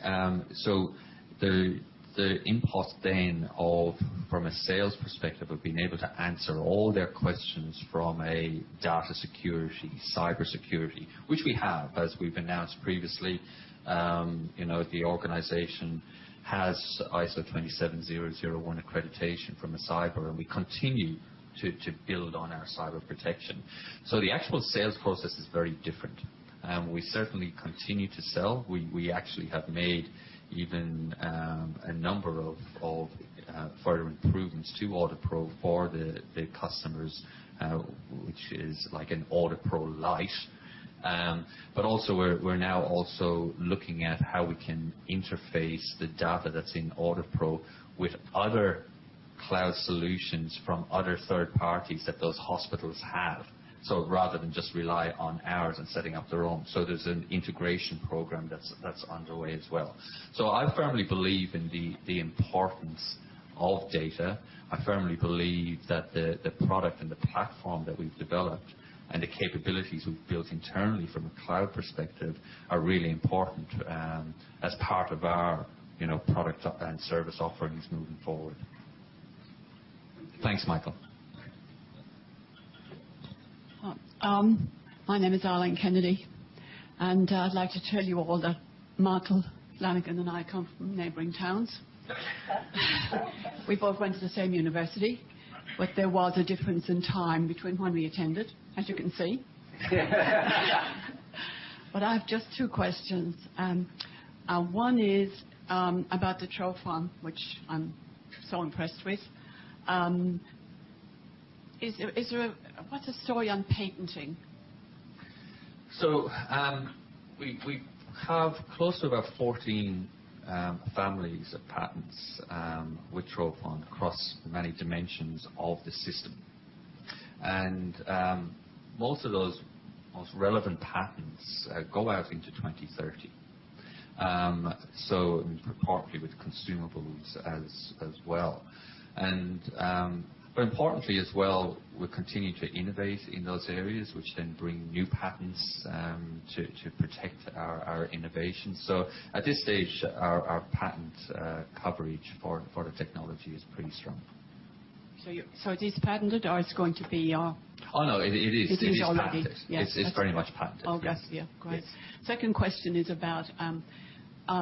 impact then of, from a sales perspective, of being able to answer all their questions from a data security, cybersecurity, which we have, as we've announced previously, you know, the organization has ISO 27001 accreditation from the cyber, and we continue to build on our cyber protection. So the actual sales process is very different, and we certainly continue to sell. We actually have made even a number of further improvements to AuditPro for the customers, which is like an AuditPro Lite. But also, we're now also looking at how we can interface the data that's in AuditPro with other cloud solutions from other third parties that those hospitals have, so rather than just rely on ours and setting up their own. There's an integration program that's underway as well. I firmly believe in the importance of data. I firmly believe that the product and the platform that we've developed, and the capabilities we've built internally from a cloud perspective, are really important, as part of our, you know, product and service offerings moving forward. Thanks, Michael. My name is Arlene Kennedy, and I'd like to tell you all that Michael Lanigan and I come from neighboring towns. We both went to the same university, but there was a difference in time between when we attended, as you can see. But I have just two questions. One is about the trophon, which I'm so impressed with. Is there a... What's the story on patenting? So, we have close to about 14 families of patents with trophon across many dimensions of the system. And, most of those relevant patents go out into 2030. So partly with consumables as well. And, but importantly as well, we continue to innovate in those areas, which then bring new patents to protect our innovations. So at this stage, our patent coverage for the technology is pretty strong. So it is patented or it's going to be? Oh, no, it is. It is already. It is patented. Yes. It's very much patented. Oh, yes. Yeah, great. Yes. Second question is about,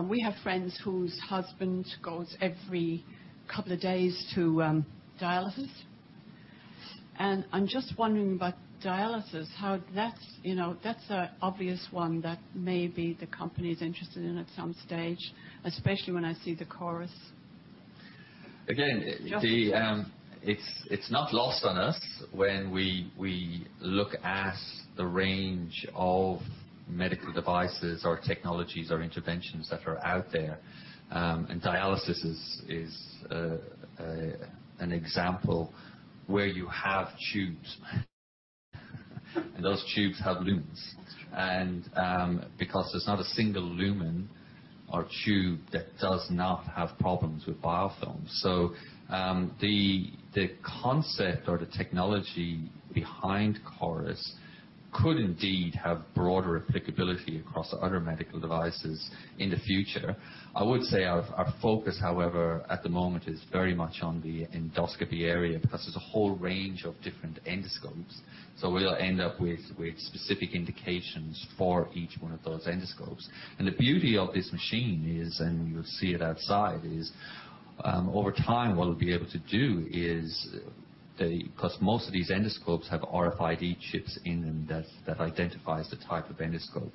we have friends whose husband goes every couple of days to, dialysis. And I'm just wondering about dialysis, how that's, you know, that's an obvious one that maybe the company is interested in at some stage, especially when I see the CORIS. Again, the Just- It's not lost on us when we look at the range of medical devices or technologies or interventions that are out there. Dialysis is an example where you have tubes, and those tubes have lumens. Because there's not a single lumen or tube that does not have problems with biofilms. The concept or the technology behind CORIS could indeed have broader applicability across other medical devices in the future. I would say our focus, however, at the moment, is very much on the endoscopy area, because there's a whole range of different endoscopes. We'll end up with specific indications for each one of those endoscopes. The beauty of this machine is, and you'll see it outside, over time, what we'll be able to do is the... Because most of these endoscopes have RFID chips in them that identifies the type of endoscope.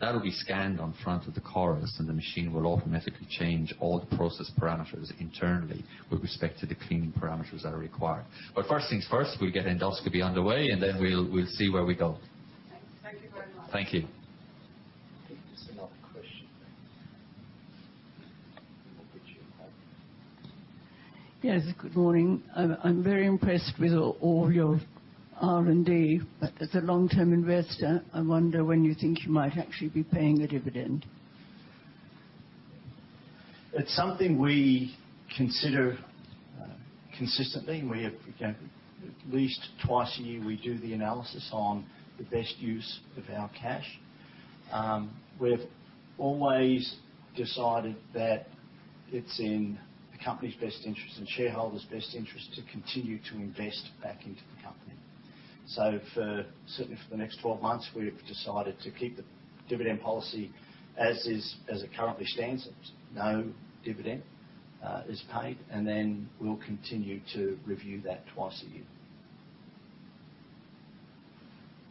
That'll be scanned on front of the CORIS, and the machine will automatically change all the process parameters internally with respect to the cleaning parameters that are required. But first things first, we'll get endoscopy underway, and then we'll see where we go. Thank you very much. Thank you. I think there's another question. We'll get you a mic. Yes, good morning. I'm very impressed with all your R&D, but as a long-term investor, I wonder when you think you might actually be paying a dividend. It's something we consider consistently. We have, you know, at least twice a year, we do the analysis on the best use of our cash. We've always decided that it's in the company's best interest and shareholders' best interest to continue to invest back into the company. So for, certainly for the next 12 months, we've decided to keep the dividend policy as is, as it currently stands. No dividend is paid, and then we'll continue to review that twice a year.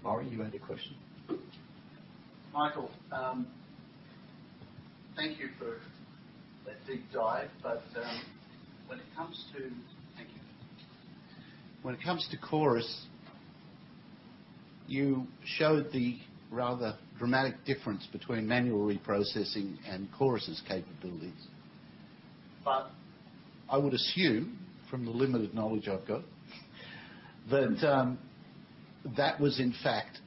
Maurie, you had a question? Michael, thank you for that deep dive, but when it comes to CORIS, you showed the rather dramatic difference between manual reprocessing and CORIS's capabilities. But I would assume, from the limited knowledge I've got, that that was, in fact,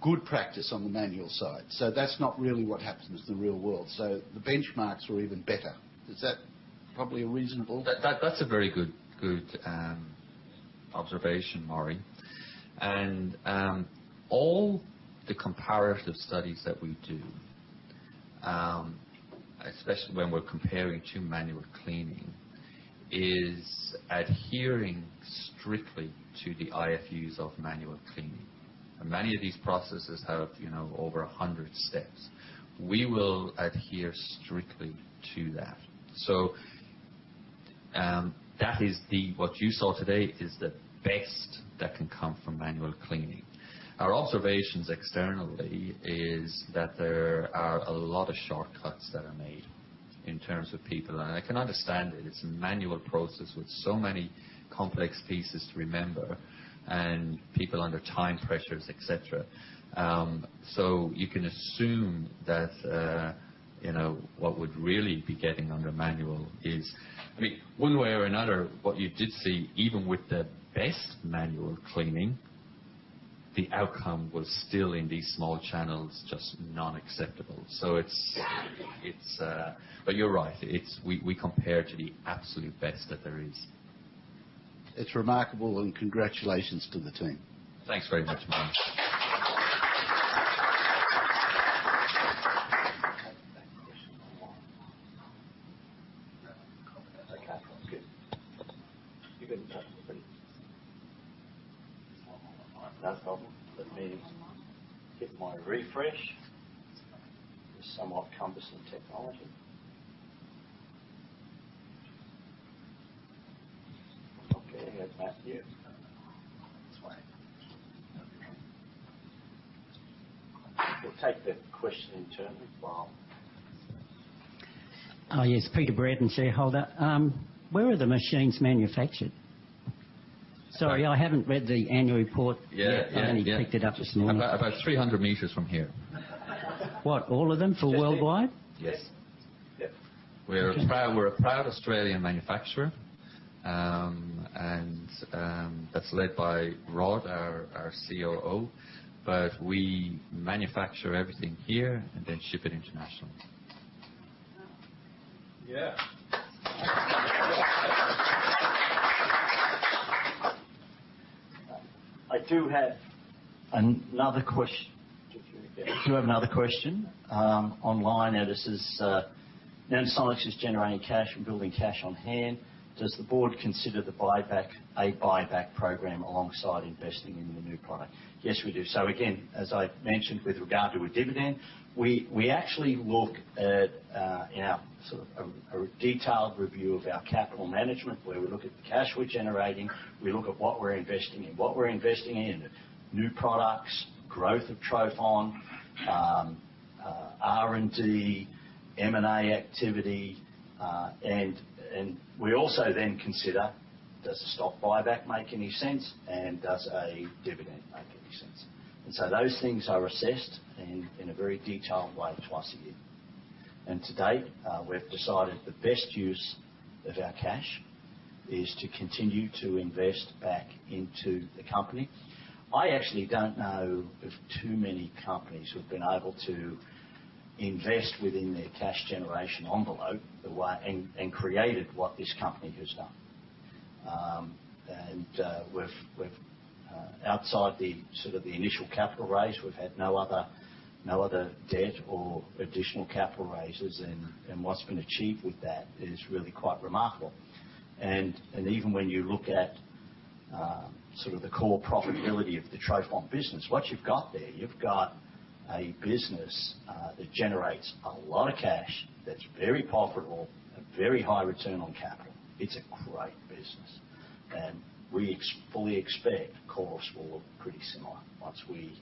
good practice on the manual side. So that's not really what happens in the real world. So the benchmarks were even better. Is that probably a reasonable- That's a very good observation, Maurie. And all the comparative studies that we do, especially when we're comparing to manual cleaning, is adhering strictly to the IFUs of manual cleaning. And many of these processes have, you know, over 100 steps. We will adhere strictly to that. So, that is the... What you saw today is the best that can come from manual cleaning. Our observations externally is that there are a lot of shortcuts that are made in terms of people, and I can understand it. It's a manual process with so many complex pieces to remember, and people under time pressures, et cetera. So you can assume that, you know, what would really be getting under manual is... I mean, one way or another, what you did see, even with the best manual cleaning, the outcome was still in these small channels, just non-acceptable. So it's... But you're right. It's, we compare to the absolute best that there is. It's remarkable, and congratulations to the team. Thanks very much, Maurie. Next question. Okay, good. You're good. No problem. Let me hit my refresh. This somewhat cumbersome technology. Okay, I have that here. That's why. We'll take the question in turn as well. Oh, yes, Peter Brett, and shareholder. Where are the machines manufactured? Sorry, I haven't read the Annual Report yet. Yeah, yeah, yeah. I only picked it up this morning. About 300 m from here. What? All of them for worldwide? Yes. Yes. Yep. We're a proud Australian manufacturer, and that's led by Rod, our COO. But we manufacture everything here and then ship it internationally. Yeah. I do have another question. I do have another question, online. Now, this is, Nanosonics is generating cash and building cash on hand. Does the board consider the buyback a buyback program alongside investing in the new product? Yes, we do. So again, as I mentioned with regard to a dividend, we, we actually look at, in our sort of a, a detailed review of our capital management, where we look at the cash we're generating, we look at what we're investing in. What we're investing in, new products, growth of trophon, R&D, M&A activity, and we also then consider, does a stock buyback make any sense and does a dividend make any sense? And so those things are assessed in, in a very detailed way twice a year. To date, we've decided the best use of our cash is to continue to invest back into the company. I actually don't know of too many companies who've been able to invest within their cash generation envelope, the way and created what this company has done. We've, outside the sort of the initial capital raise, we've had no other debt or additional capital raises, and what's been achieved with that is really quite remarkable. And even when you look at, sort of the core profitability of the trophon business, what you've got there, you've got a business that generates a lot of cash, that's very profitable, a very high return on capital. It's a great business, and we fully expect CORIS will look pretty similar once we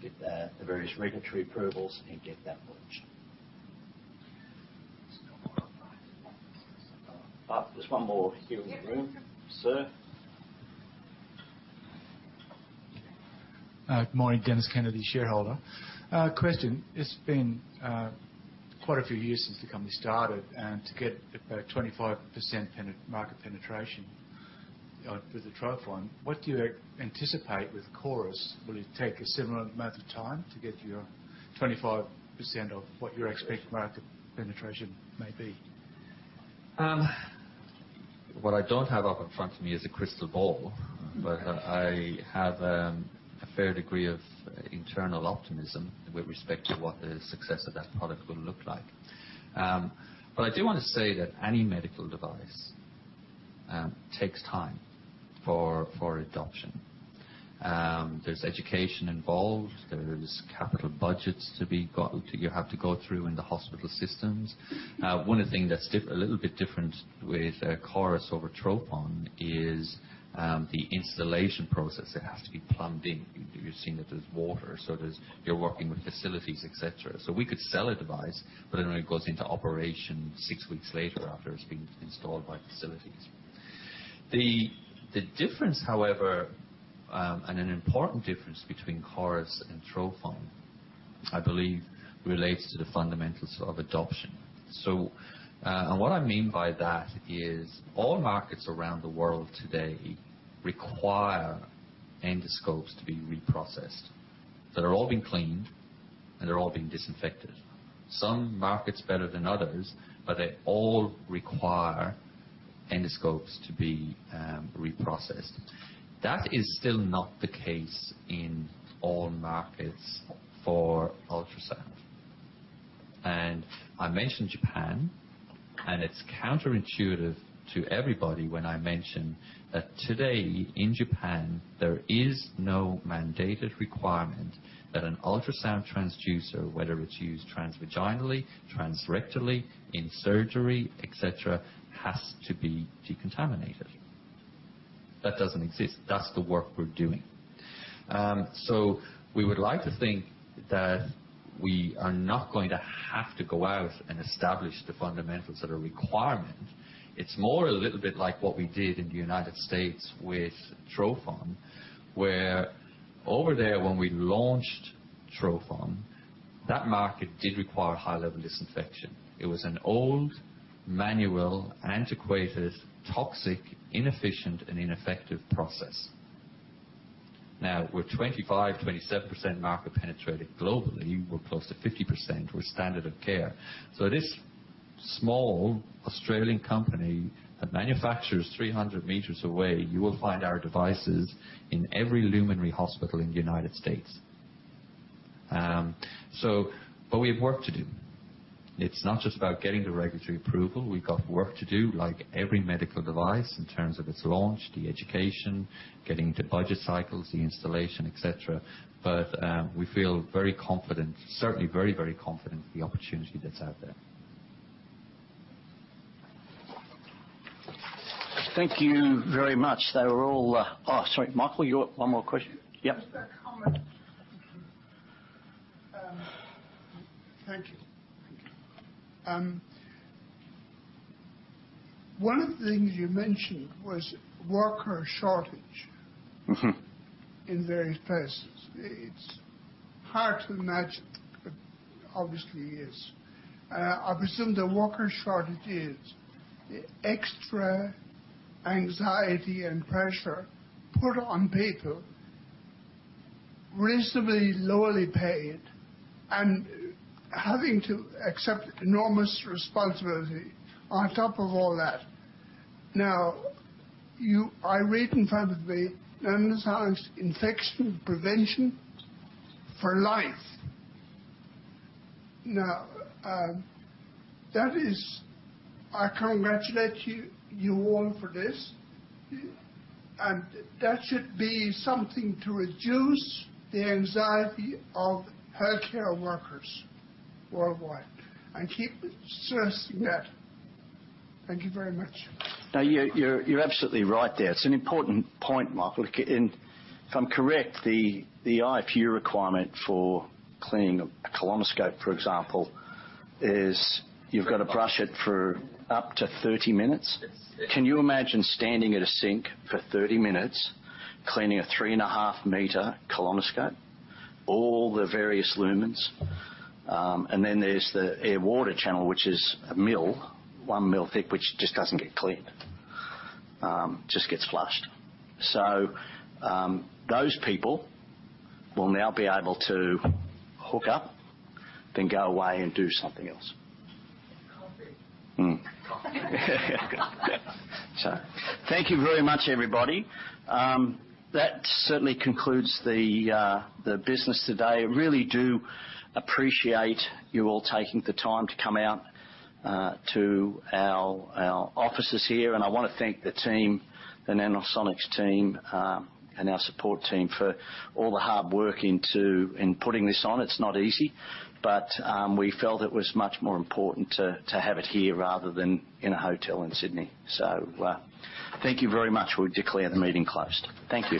get the various regulatory approvals and get that launched. There's one more here in the room. Sir? Good morning. Dennis Kennedy, shareholder. Question: It's been quite a few years since the company started, and to get about 25% market penetration with the trophon, what do you anticipate with CORIS? Will it take a similar amount of time to get to your 25% of what your expected market penetration may be? What I don't have up in front of me is a crystal ball, but I have a fair degree of internal optimism with respect to what the success of that product will look like. But I do want to say that any medical device takes time for adoption. There's education involved, there's capital budgets to be got- you have to go through in the hospital systems. One of the things that's a little bit different with CORIS over trophon is the installation process. It has to be plumbed in. You've seen that there's water, so there's, you're working with facilities, et cetera. So we could sell a device, but then it goes into operation six weeks later after it's been installed by facilities. The difference, however, and an important difference between CORIS and trophon, I believe, relates to the fundamentals of adoption. So, and what I mean by that is, all markets around the world today require endoscopes to be reprocessed, that are all being cleaned, and they're all being disinfected. Some markets better than others, but they all require endoscopes to be reprocessed. That is still not the case in all markets for ultrasound. And I mentioned Japan, and it's counterintuitive to everybody when I mention that today in Japan, there is no mandated requirement that an ultrasound transducer, whether it's used transvaginally, transrectally, in surgery, et cetera, has to be decontaminated. That doesn't exist. That's the work we're doing. So we would like to think that we are not going to have to go out and establish the fundamentals that are requirement. It's more a little bit like what we did in the United States with trophon, where over there, when we launched trophon, that market did require high-level disinfection. It was an old, manual, antiquated, toxic, inefficient, and ineffective process. Now, we're 25%-27% market penetrated globally. We're close to 50%. We're standard of care. So this small Australian company that manufactures 300 m away, you will find our devices in every luminary hospital in the United States. So but we have work to do. It's not just about getting the regulatory approval. We've got work to do, like every medical device, in terms of its launch, the education, getting the budget cycles, the installation, et cetera. But, we feel very confident, certainly very, very confident in the opportunity that's out there. Thank you very much. They were all, Oh, sorry, Michael, you got one more question? Yep. Just a comment. Thank you. One of the things you mentioned was worker shortage- Mm-hmm. in various places. It's hard to imagine, but obviously it is. I presume the worker shortage is extra anxiety and pressure put on people reasonably lowly paid and having to accept enormous responsibility on top of all that. Now, you-- I read in front of me, Nanosonics Infection Prevention for Life. Now, that is... I congratulate you, you all, for this, and that should be something to reduce the anxiety of healthcare workers worldwide. And keep stressing that. Thank you very much. Now, you're absolutely right there. It's an important point, Michael. If I'm correct, the IFU requirement for cleaning a colonoscope, for example, is you've got to brush it for up to 30 minutes. Yes. Can you imagine standing at a sink for 30 minutes, cleaning a 3.5 m colonoscope, all the various lumens? And then there's the air/water channel, which is a mil, one mil thick, which just doesn't get cleaned, just gets flushed. So, those people will now be able to hook up, then go away and do something else. Coffee. Yeah. So thank you very much, everybody. That certainly concludes the business today. Really do appreciate you all taking the time to come out to our offices here, and I want to thank the team, the Nanosonics team, and our support team for all the hard work in putting this on. It's not easy, but we felt it was much more important to have it here rather than in a hotel in Sydney. So thank you very much. We declare the meeting closed. Thank you.